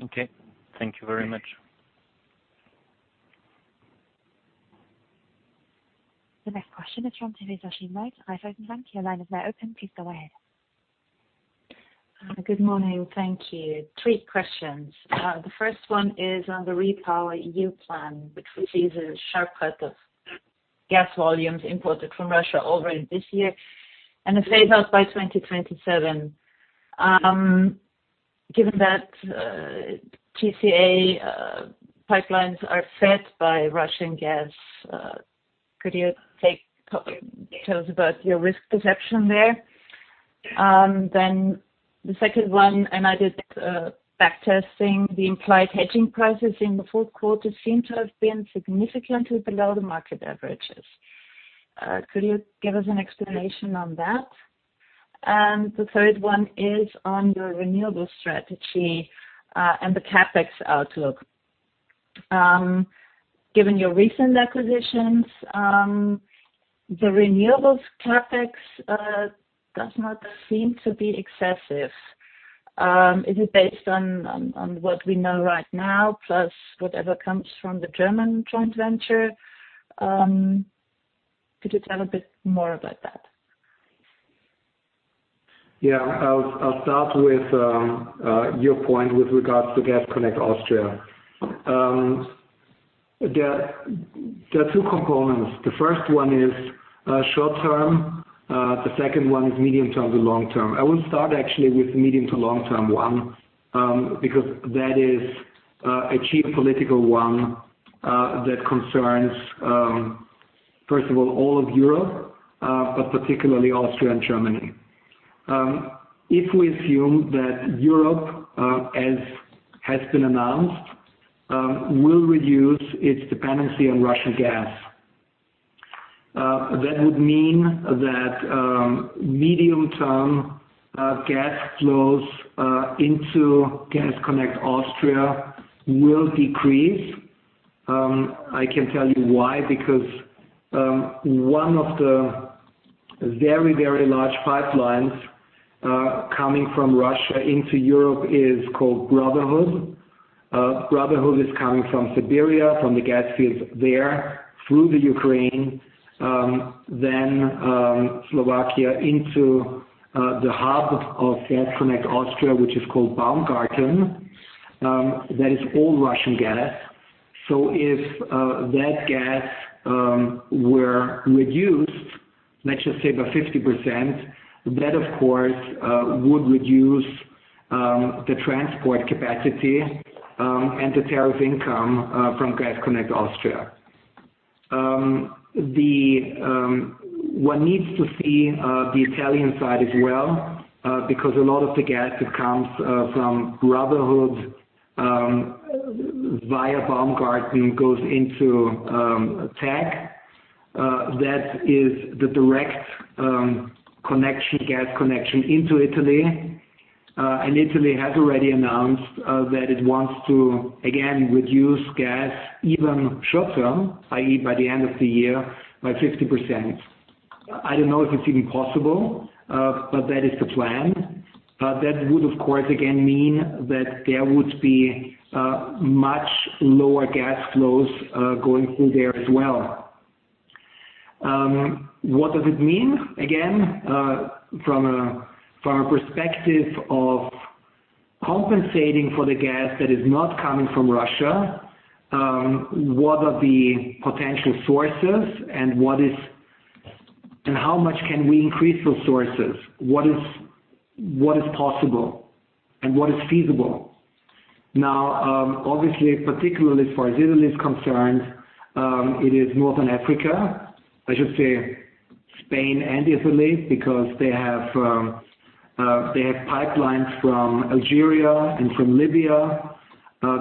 Okay. Thank you very much. The next question is from Your line is now open. Please, go ahead. Good morning. Thank you. Three questions. The first one is on the REPowerEU plan, which foresees a sharp cut of gas volumes imported from Russia already this year and a phase out by 2027. Given that, TAG pipelines are fed by Russian gas, could you tell us about your risk perception there? The second one, I did backtesting. The implied hedging prices in the fourth quarter seem to have been significantly below the market averages. Could you give us an explanation on that? The third one is on your renewable strategy and the CapEx outlook. Given your recent acquisitions, the renewables CapEx does not seem to be excessive. Is it based on what we know right now, plus whatever comes from the German joint venture? Could you tell a bit more about that? Yeah. I'll start with your point with regards to Gas Connect Austria. There are two components. The first one is short term, the second one is medium-term to long term. I will start actually with medium to long term one, because that is a geopolitical one, that concerns first of all all of Europe, but particularly Austria and Germany. If we assume that Europe, as has been announced, will reduce its dependency on Russian gas, that would mean that medium-term gas flows into Gas Connect Austria will decrease. I can tell you why, because one of the very, very large pipelines coming from Russia into Europe is called Brotherhood. Brotherhood pipeline is coming from Siberia, from the gas fields there through the Ukraine, then Slovakia into the hub of Gas Connect Austria, which is called Baumgarten. That is all Russian gas. If that gas were reduced, let's just say by 50%, that of course would reduce the transport capacity and the tariff income from Gas Connect Austria. One needs to see the Italian side as well, because a lot of the gas that comes from Brotherhood via Baumgarten goes into TAG. That is the direct connection, gas connection into Italy. Italy has already announced that it wants to again reduce gas even short term, i.e., by the end of the year by 50%. I don't know if it's even possible, but that is the plan. That would, of course, again mean that there would be much lower gas flows going through there as well. What does it mean? Again, from a perspective of compensating for the gas that is not coming from Russia, what are the potential sources and how much can we increase those sources? What is possible and what is feasible? Now, obviously, particularly as far as Italy is concerned, it is North Africa. I should say Spain and Italy because they have pipelines from Algeria and from Libya.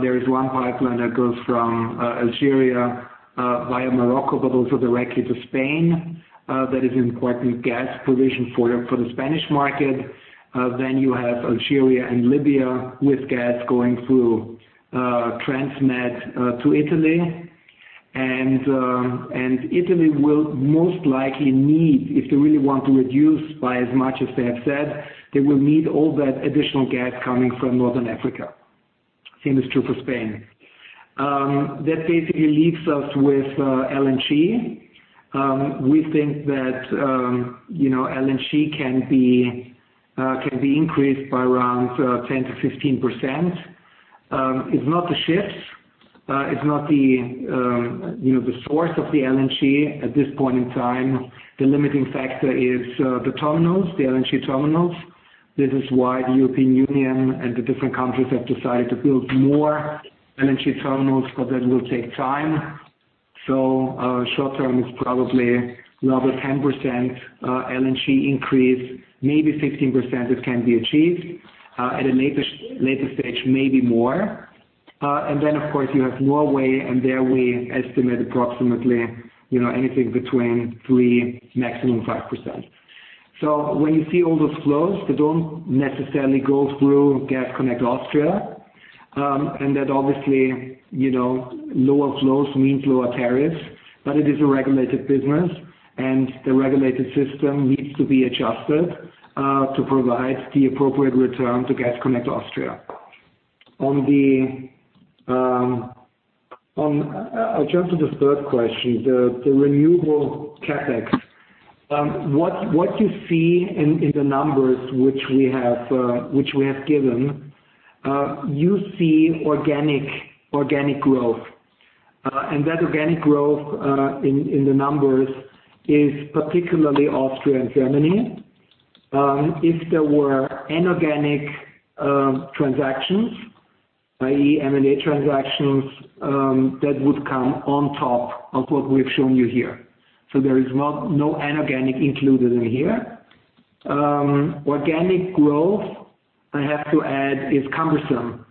There is one pipeline that goes from Algeria via Morocco, but also directly to Spain, that is important gas provision for the Spanish market. You have Algeria and Libya with gas going through TransMed to Italy. Italy will most likely need, if they really want to reduce by as much as they have said, they will need all that additional gas coming from North Africa. Same is true for Spain. That basically leaves us with LNG. We think that you know LNG can be increased by around 10%-15%. It's not the ships, it's not the you know the source of the LNG at this point in time. The limiting factor is the terminals, the LNG terminals. This is why the European Union and the different countries have decided to build more LNG terminals, but that will take time. Short term is probably another 10% LNG increase, maybe 15% that can be achieved at a later stage, maybe more. Then of course, you have Norway, and there we estimate approximately, you know, anything between 3, maximum 5%. When you see all those flows, they don't necessarily go through Gas Connect Austria. That obviously, you know, lower flows mean lower tariffs, but it is a regulated business and the regulated system needs to be adjusted to provide the appropriate return to Gas Connect Austria. I'll jump to the third question, the renewable CapEx. What you see in the numbers which we have given, you see organic growth. That organic growth in the numbers is particularly Austria and Germany. If there were inorganic transactions, i.e. M&A transactions, that would come on top of what we've shown you here. There is no inorganic included in here. Organic growth, I have to add, is cumbersome.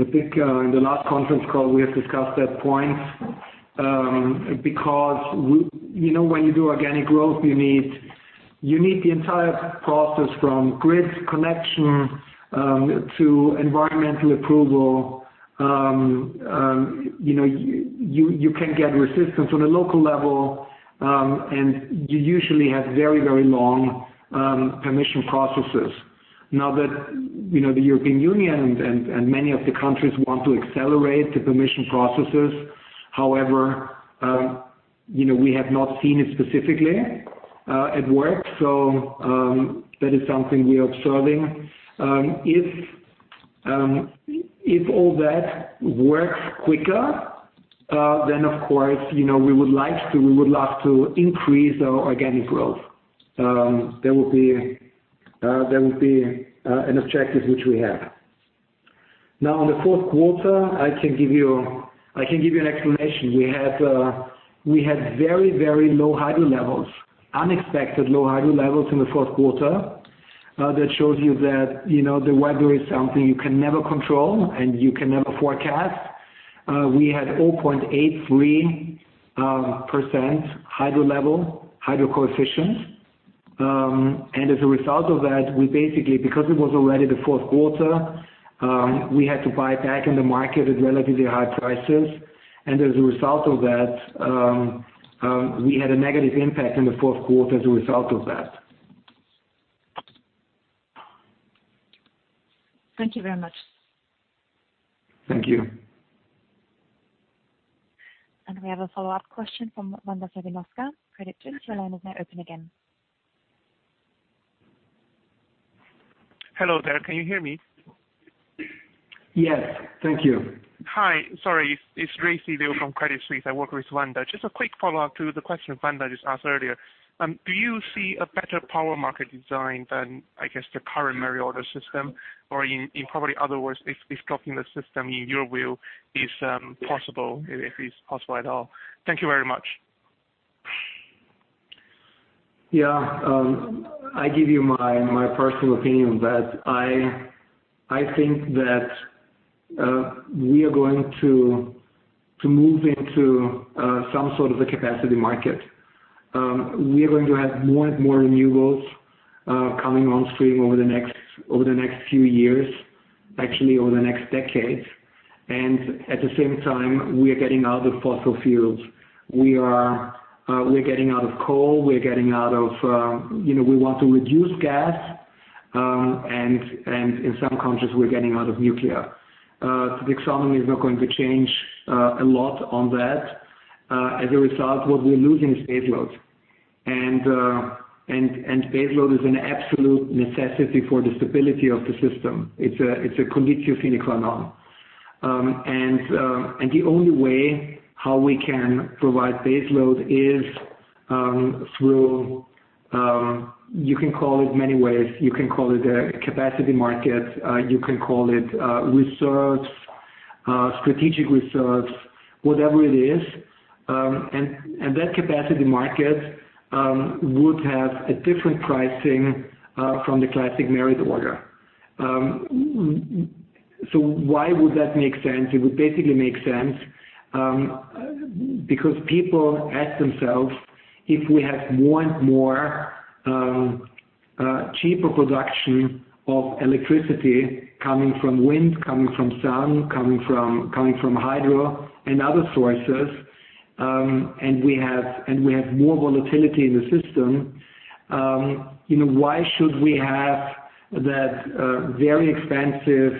I think in the last conference call we have discussed that point, because you know, when you do organic growth, you need the entire process from grid connection to environmental approval. You know, you can get resistance on a local level, and you usually have very long permission processes. Now that you know, the European Union and many of the countries want to accelerate the permission processes, however, you know, we have not seen it specifically at work. That is something we are observing. If all that works quicker, then of course, you know, we would like to, we would love to increase our organic growth. That would be an objective which we have. Now in the fourth quarter, I can give you an explanation. We had very, very low hydro levels, unexpected low hydro levels in the fourth quarter. That shows you that, you know, the weather is something you can never control and you can never forecast. We had 0.83% hydro level, hydro coefficients. As a result of that, we basically, because it was already the fourth quarter, we had to buy back in the market at relatively high prices. As a result of that, we had a negative impact in the fourth quarter as a result of that. Thank you very much. Thank you. We have a follow-up question from Wanda Serwinowska, Credit Suisse. Your line is now open again. Hello there. Can you hear me? Yes. Thank you. Hi. Sorry. It's Ray from Credit Suisse. I work with Wanda. Just a quick follow-up to the question Wanda just asked earlier. Do you see a better power market design than, I guess, the current merit order system? Probably otherwise, if dropping the system in your wheel is possible, and if it's possible at all. Thank you very much. Yeah. I give you my personal opinion that I think that we are going to move into some sort of a capacity market. We are going to have more and more renewables coming on stream over the next few years, actually over the next decade. At the same time, we are getting out of fossil fuels. We're getting out of coal. We're getting out of, you know, we want to reduce gas. In some countries, we're getting out of nuclear. The economy is not going to change a lot on that. As a result, what we're losing is baseload. Baseload is an absolute necessity for the stability of the system. It's a conditio sine qua non. The only way how we can provide baseload is through. You can call it many ways. You can call it a capacity market. You can call it reserves, strategic reserves, whatever it is. That capacity market would have a different pricing from the classic merit order. Why would that make sense? It would basically make sense, because people ask themselves, if we have more and more cheaper production of electricity coming from wind, coming from sun, coming from hydro and other sources, and we have more volatility in the system, you know, why should we have that very expensive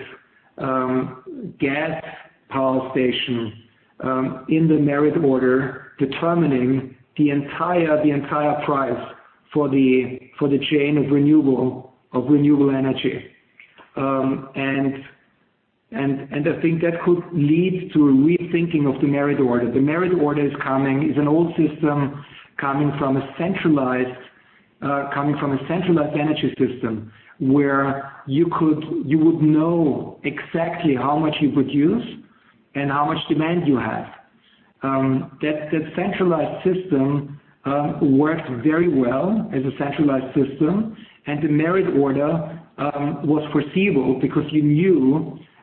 gas power station in the merit order determining the entire price for the chain of renewable energy. I think that could lead to a rethinking of the merit order. The merit order is an old system coming from a centralized energy system where you would know exactly how much you would use and how much demand you have. That centralized system worked very well as a centralized system, and the merit order was foreseeable because you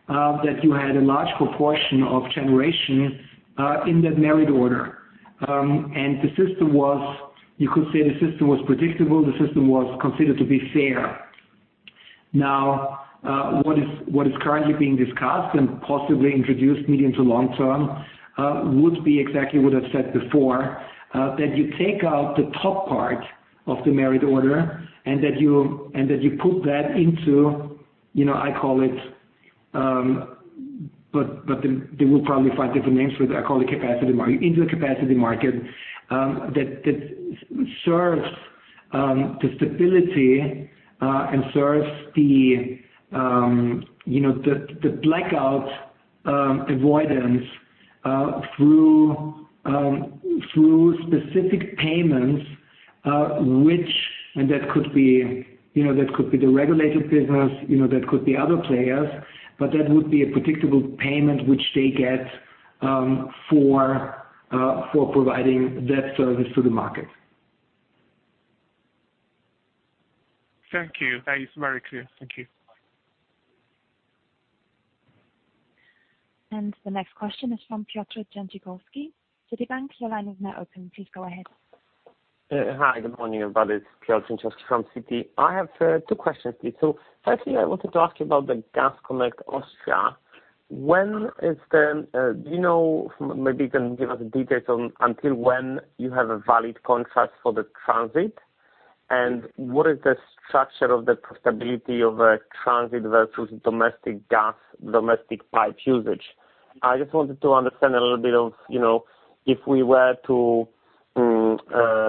knew that you had a large proportion of generation in that merit order. You could say the system was predictable, the system was considered to be fair. Now, what is currently being discussed and possibly introduced medium to long term would be exactly what I've said before, that you take out the top part of the merit order and that you put that into, you know, I call it, but they will probably find different names for that, I call it capacity market, into the capacity market, that serves the stability and serves the, you know, the blackout avoidance through specific payments, which and that could be, you know, that could be the regulated business, you know, that could be other players, but that would be a predictable payment which they get for providing that service to the market. Thank you. That is very clear. Thank you. The next question is from Piotr Dzięciołowski, Citibank. YOur line is now open. Please go ahead. Hi, good morning, everybody. It's Piotr Dzięciołowski from Citi. I have two questions, please. Firstly, I wanted to ask you about the Gas Connect Austria. When is the do you know, maybe you can give us details on until when you have a valid contract for the transit? What is the structure of the profitability of a transit versus domestic gas, domestic pipe usage? I just wanted to understand a little bit of, you know, if we were to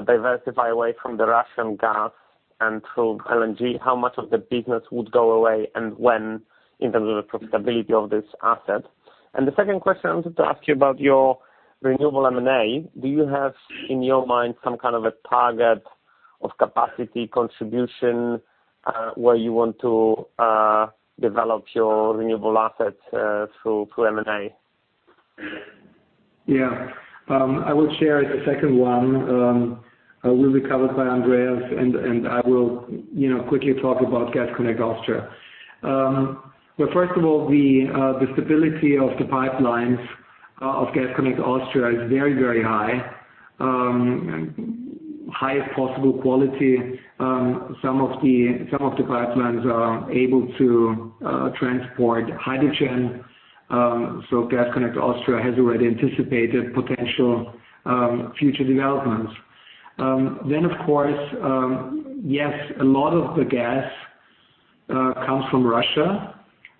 diversify away from the Russian gas and through LNG, how much of the business would go away and when, in terms of the profitability of this asset? The second question, I wanted to ask you about your renewable M&A. Do you have in your mind some kind of a target of capacity contribution, where you want to develop your renewable assets through M&A? I will share the second one will be covered by Andreas, and I will, you know, quickly talk about Gas Connect Austria. First of all, the stability of the pipelines of Gas Connect Austria is very high possible quality. Some of the pipelines are able to transport hydrogen, so Gas Connect Austria has already anticipated potential future developments. Then of course, yes, a lot of the gas comes from Russia,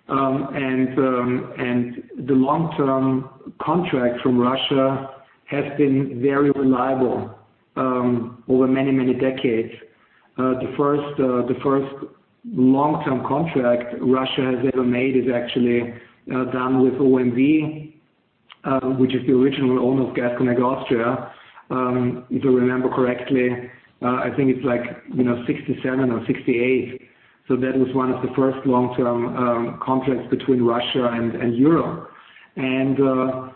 and the long-term contract from Russia has been very reliable over many decades. The first long-term contract Russia has ever made is actually done with OMV, which is the original owner of Gas Connect Austria. If I remember correctly, I think it's like, you know, 67 or 68. That was one of the first long-term contracts between Russia and Europe. Russia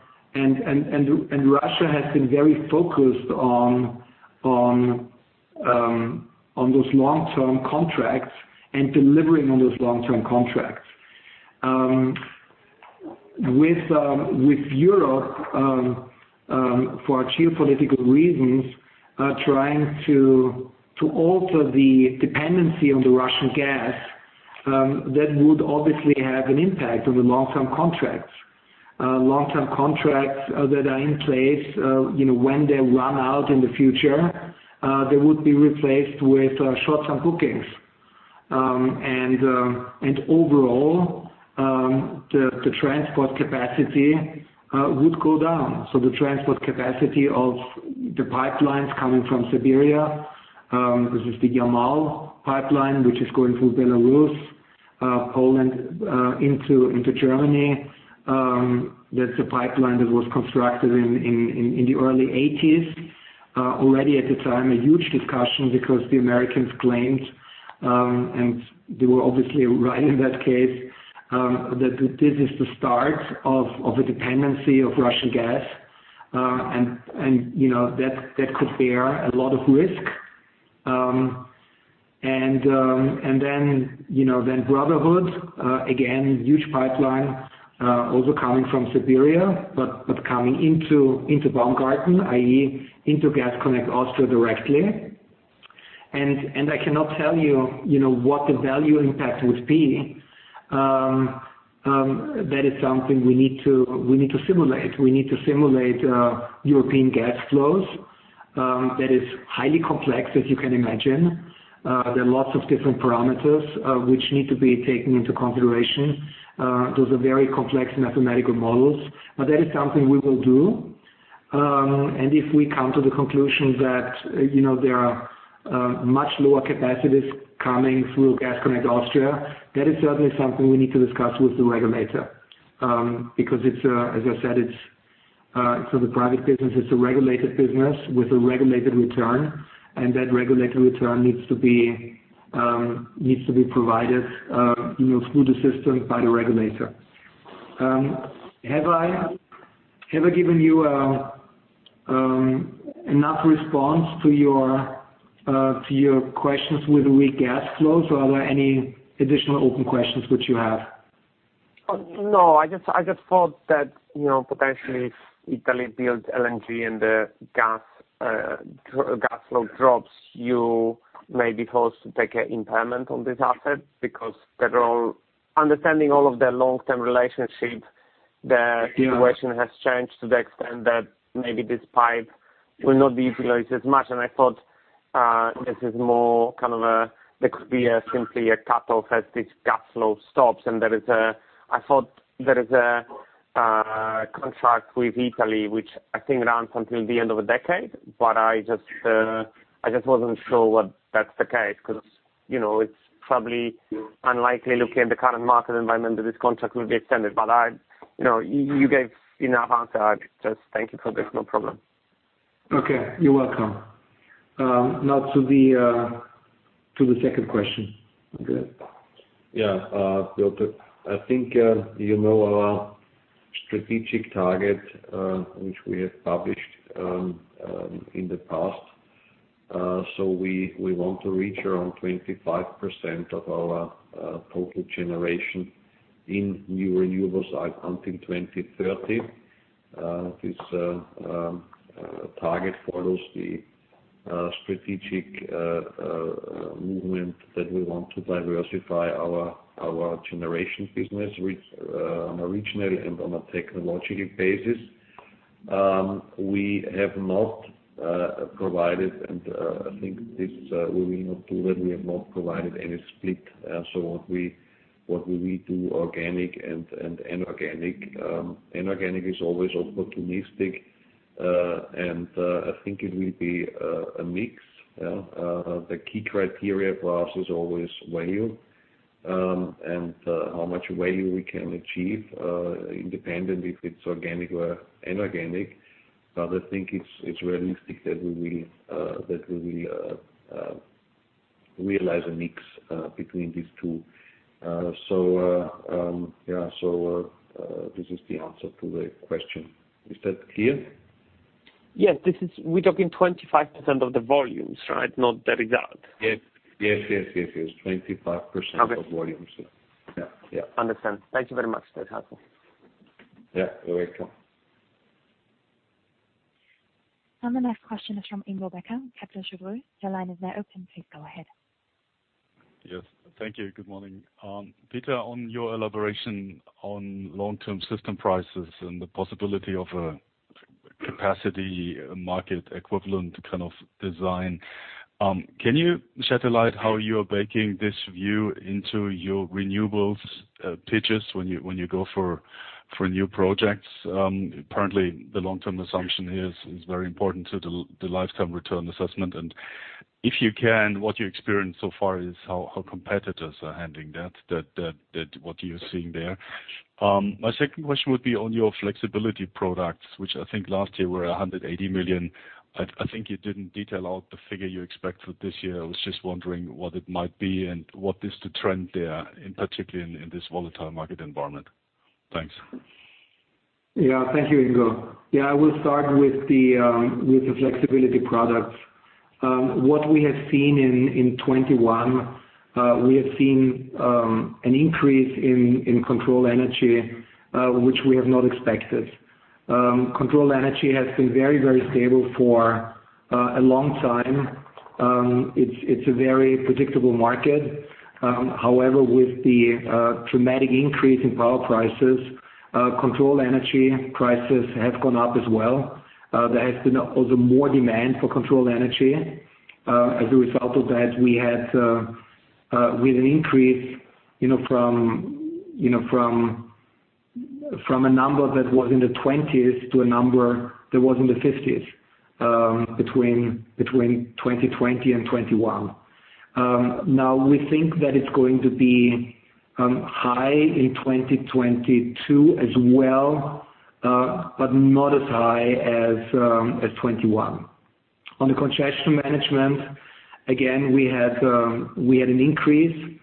has been very focused on those long-term contracts and delivering on those long-term contracts with Europe for geopolitical reasons, trying to alter the dependency on the Russian gas, that would obviously have an impact on the long-term contracts. Long-term contracts that are in place, you know, when they run out in the future, they would be replaced with short-term bookings. Overall, the transport capacity would go down. The transport capacity of the pipelines coming from Siberia, this is the Yamal pipeline, which is going through Belarus, Poland, into Germany. That's a pipeline that was constructed in the early 1980s. Already at the time, a huge discussion because the Americans claimed, and they were obviously right in that case, that this is the start of a dependency of Russian gas, and, you know, that could bear a lot of risk. Then, you know, then Brotherhood, again, huge pipeline, also coming from Siberia, but coming into Baumgarten, i.e. into Gas Connect Austria directly. I cannot tell you know, what the value impact would be. That is something we need to simulate. We need to simulate European gas flows. That is highly complex, as you can imagine. There are lots of different parameters which need to be taken into consideration. Those are very complex mathematical models, but that is something we will do. If we come to the conclusion that, you know, there are much lower capacities coming through Gas Connect Austria, that is certainly something we need to discuss with the regulator. Because it's, as I said, the private business is a regulated business with a regulated return, and that regulated return needs to be provided, you know, through the system by the regulator. Have I given you enough response to your questions with weak gas flows, or are there any additional open questions which you have? Oh, no. I just thought that, you know, potentially Italy builds LNG and the gas flow drops. You may be supposed to take an impairment on this asset because, understanding all of their long-term relationship, the equation has changed to the extent that maybe this pipe will not be utilized as much. I thought this is more kind of a, there could be simply a cutoff as this gas flow stops. I thought there is a contract with Italy, which I think runs until the end of a decade, but I just wasn't sure whether that's the case because, you know, it's probably unlikely looking at the current market environment that this contract will be extended. You know, you gave enough answer. I just thank you for this. No problem. Okay. You're welcome. Now to the second question. Go ahead. Yeah. Piotr, I think you know our strategic target, which we have published in the past. We want to reach around 25% of our total generation in new renewables until 2030. This target follows the strategic movement that we want to diversify our generation business with on a regional and on a technological basis. We have not provided, and I think this we will not do that. We have not provided any split. What we will do organic and inorganic. Inorganic is always opportunistic. I think it will be a mix. Yeah. The key criteria for us is always value, and how much value we can achieve, independent if it's organic or inorganic. I think it's realistic that we will realize a mix between these two. Yeah. This is the answer to the question. Is that clear? Yes. We're talking 25% of the volumes, right? Not the result. Yes. 25%- Okay. -of volumes. Yeah. Yeah. Understood. Thank you very much. That's helpful. Yeah. You're welcome. The next question is from Ingo Becker, Deutsche Bank. Your line is now open. Please go ahead. Yes. Thank you. Good morning. Pieter, on your elaboration on long-term system prices and the possibility of a capacity market equivalent kind of design, can you shed a light how you are baking this view into your renewables pitches when you go for new projects? Apparently the long-term assumption is very important to the lifetime return assessment. If you can, what you experienced so far is how competitors are handling that. That what you're seeing there. My second question would be on your flexibility products, which I think last year were 180 million. I think you didn't detail out the figure you expect for this year. I was just wondering what it might be and what is the trend there particularly in this volatile market environment. Thanks. Yeah. Thank you, Ingo. Yeah. I will start with the flexibility products. What we have seen in 2021, we have seen an increase in control energy, which we have not expected. Control energy has been very stable for a long time. It's a very predictable market. However, with the dramatic increase in power prices, control energy prices have gone up as well. There has been also more demand for control energy. As a result of that, we had an increase, you know, from a number that was in the 20s to a number that was in the 50s, between 2020 and 2021. Now we think that it's going to be high in 2022 as well, but not as high as 2021. On the congestion management, again, we had an increase.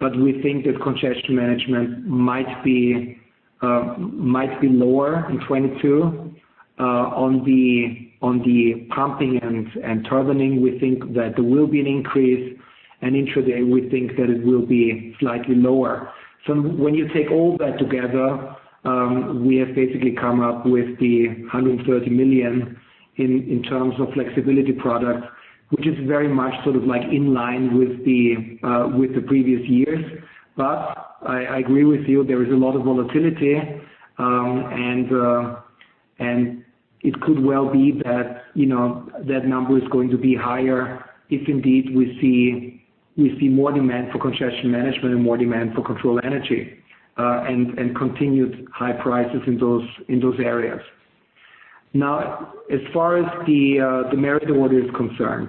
But we think that congestion management might be lower in 2022. On the pumping and turbining, we think that there will be an increase. Intraday, we think that it will be slightly lower. When you take all that together, we have basically come up with 130 million in terms of flexibility products, which is very much sort of like in line with the previous years. I agree with you. There is a lot of volatility. It could well be that, you know, that number is going to be higher if indeed we see more demand for congestion management and more demand for control energy, and continued high prices in those areas. Now, as far as the merit order is concerned,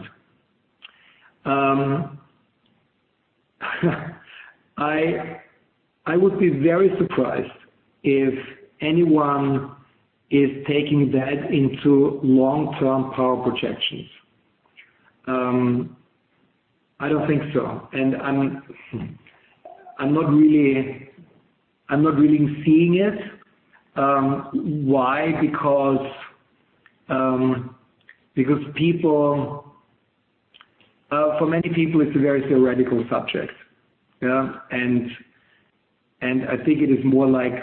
I would be very surprised if anyone is taking that into long-term power projections. I don't think so. I'm not really seeing it. Why? Because for many people, it's a very theoretical subject, yeah? I think it is more like,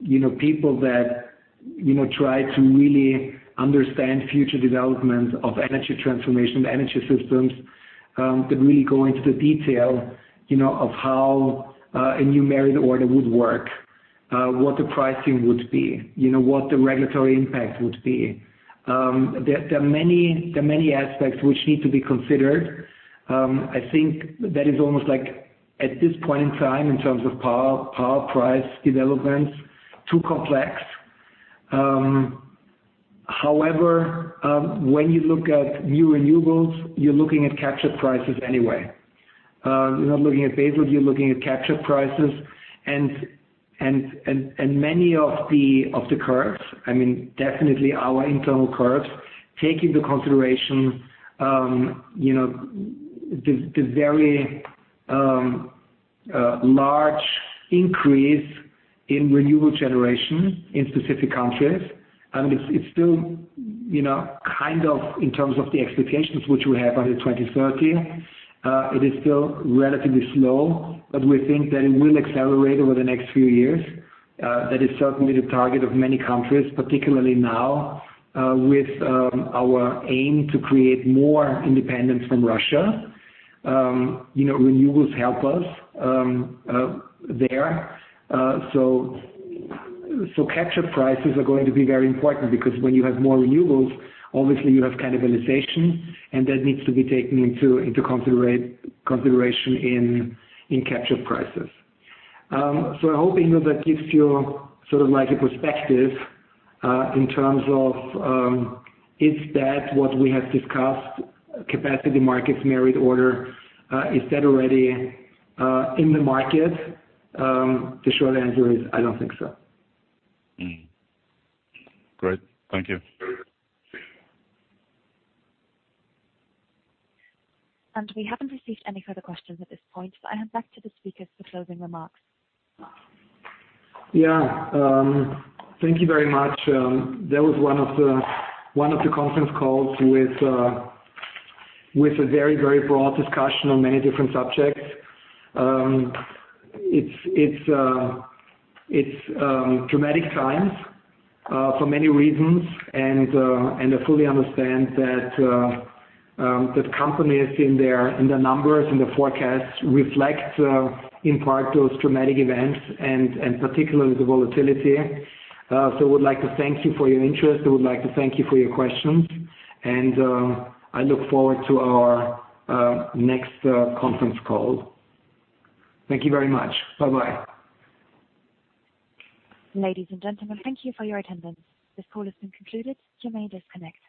you know, people that, you know, try to really understand future developments of energy transformation, energy systems, that really go into the detail, you know, of how a new merit order would work, what the pricing would be, you know, what the regulatory impact would be. There are many aspects which need to be considered. I think that is almost like at this point in time, in terms of power price developments, too complex. However, when you look at new renewables, you're looking at capture prices anyway. You're not looking at baseload, you're looking at capture prices. Many of the curves, I mean, definitely our internal curves, take into consideration, you know, the very large increase in renewable generation in specific countries. I mean, it's still, you know, kind of in terms of the expectations which we have under 2030, it is still relatively slow. We think that it will accelerate over the next few years. That is certainly the target of many countries, particularly now, with our aim to create more independence from Russia. You know, renewables help us there. Capture prices are going to be very important because when you have more renewables, obviously you have cannibalization, and that needs to be taken into consideration in capture prices. I hope, you know, that gives you sort of like a perspective in terms of is that what we have discussed, capacity markets, merit order, is that already in the market. The short answer is I don't think so. Great. Thank you. We haven't received any further questions at this point, so I hand back to the speakers for closing remarks. Yeah. Thank you very much. That was one of the conference calls with a very broad discussion on many different subjects. It's dramatic times for many reasons and I fully understand that companies in their numbers and the forecasts reflect in part those dramatic events and particularly the volatility. Would like to thank you for your interest. I would like to thank you for your questions, and I look forward to our next conference call. Thank you very much. Bye-bye. Ladies and gentlemen, thank you for your attendance. This call has been concluded. You may disconnect.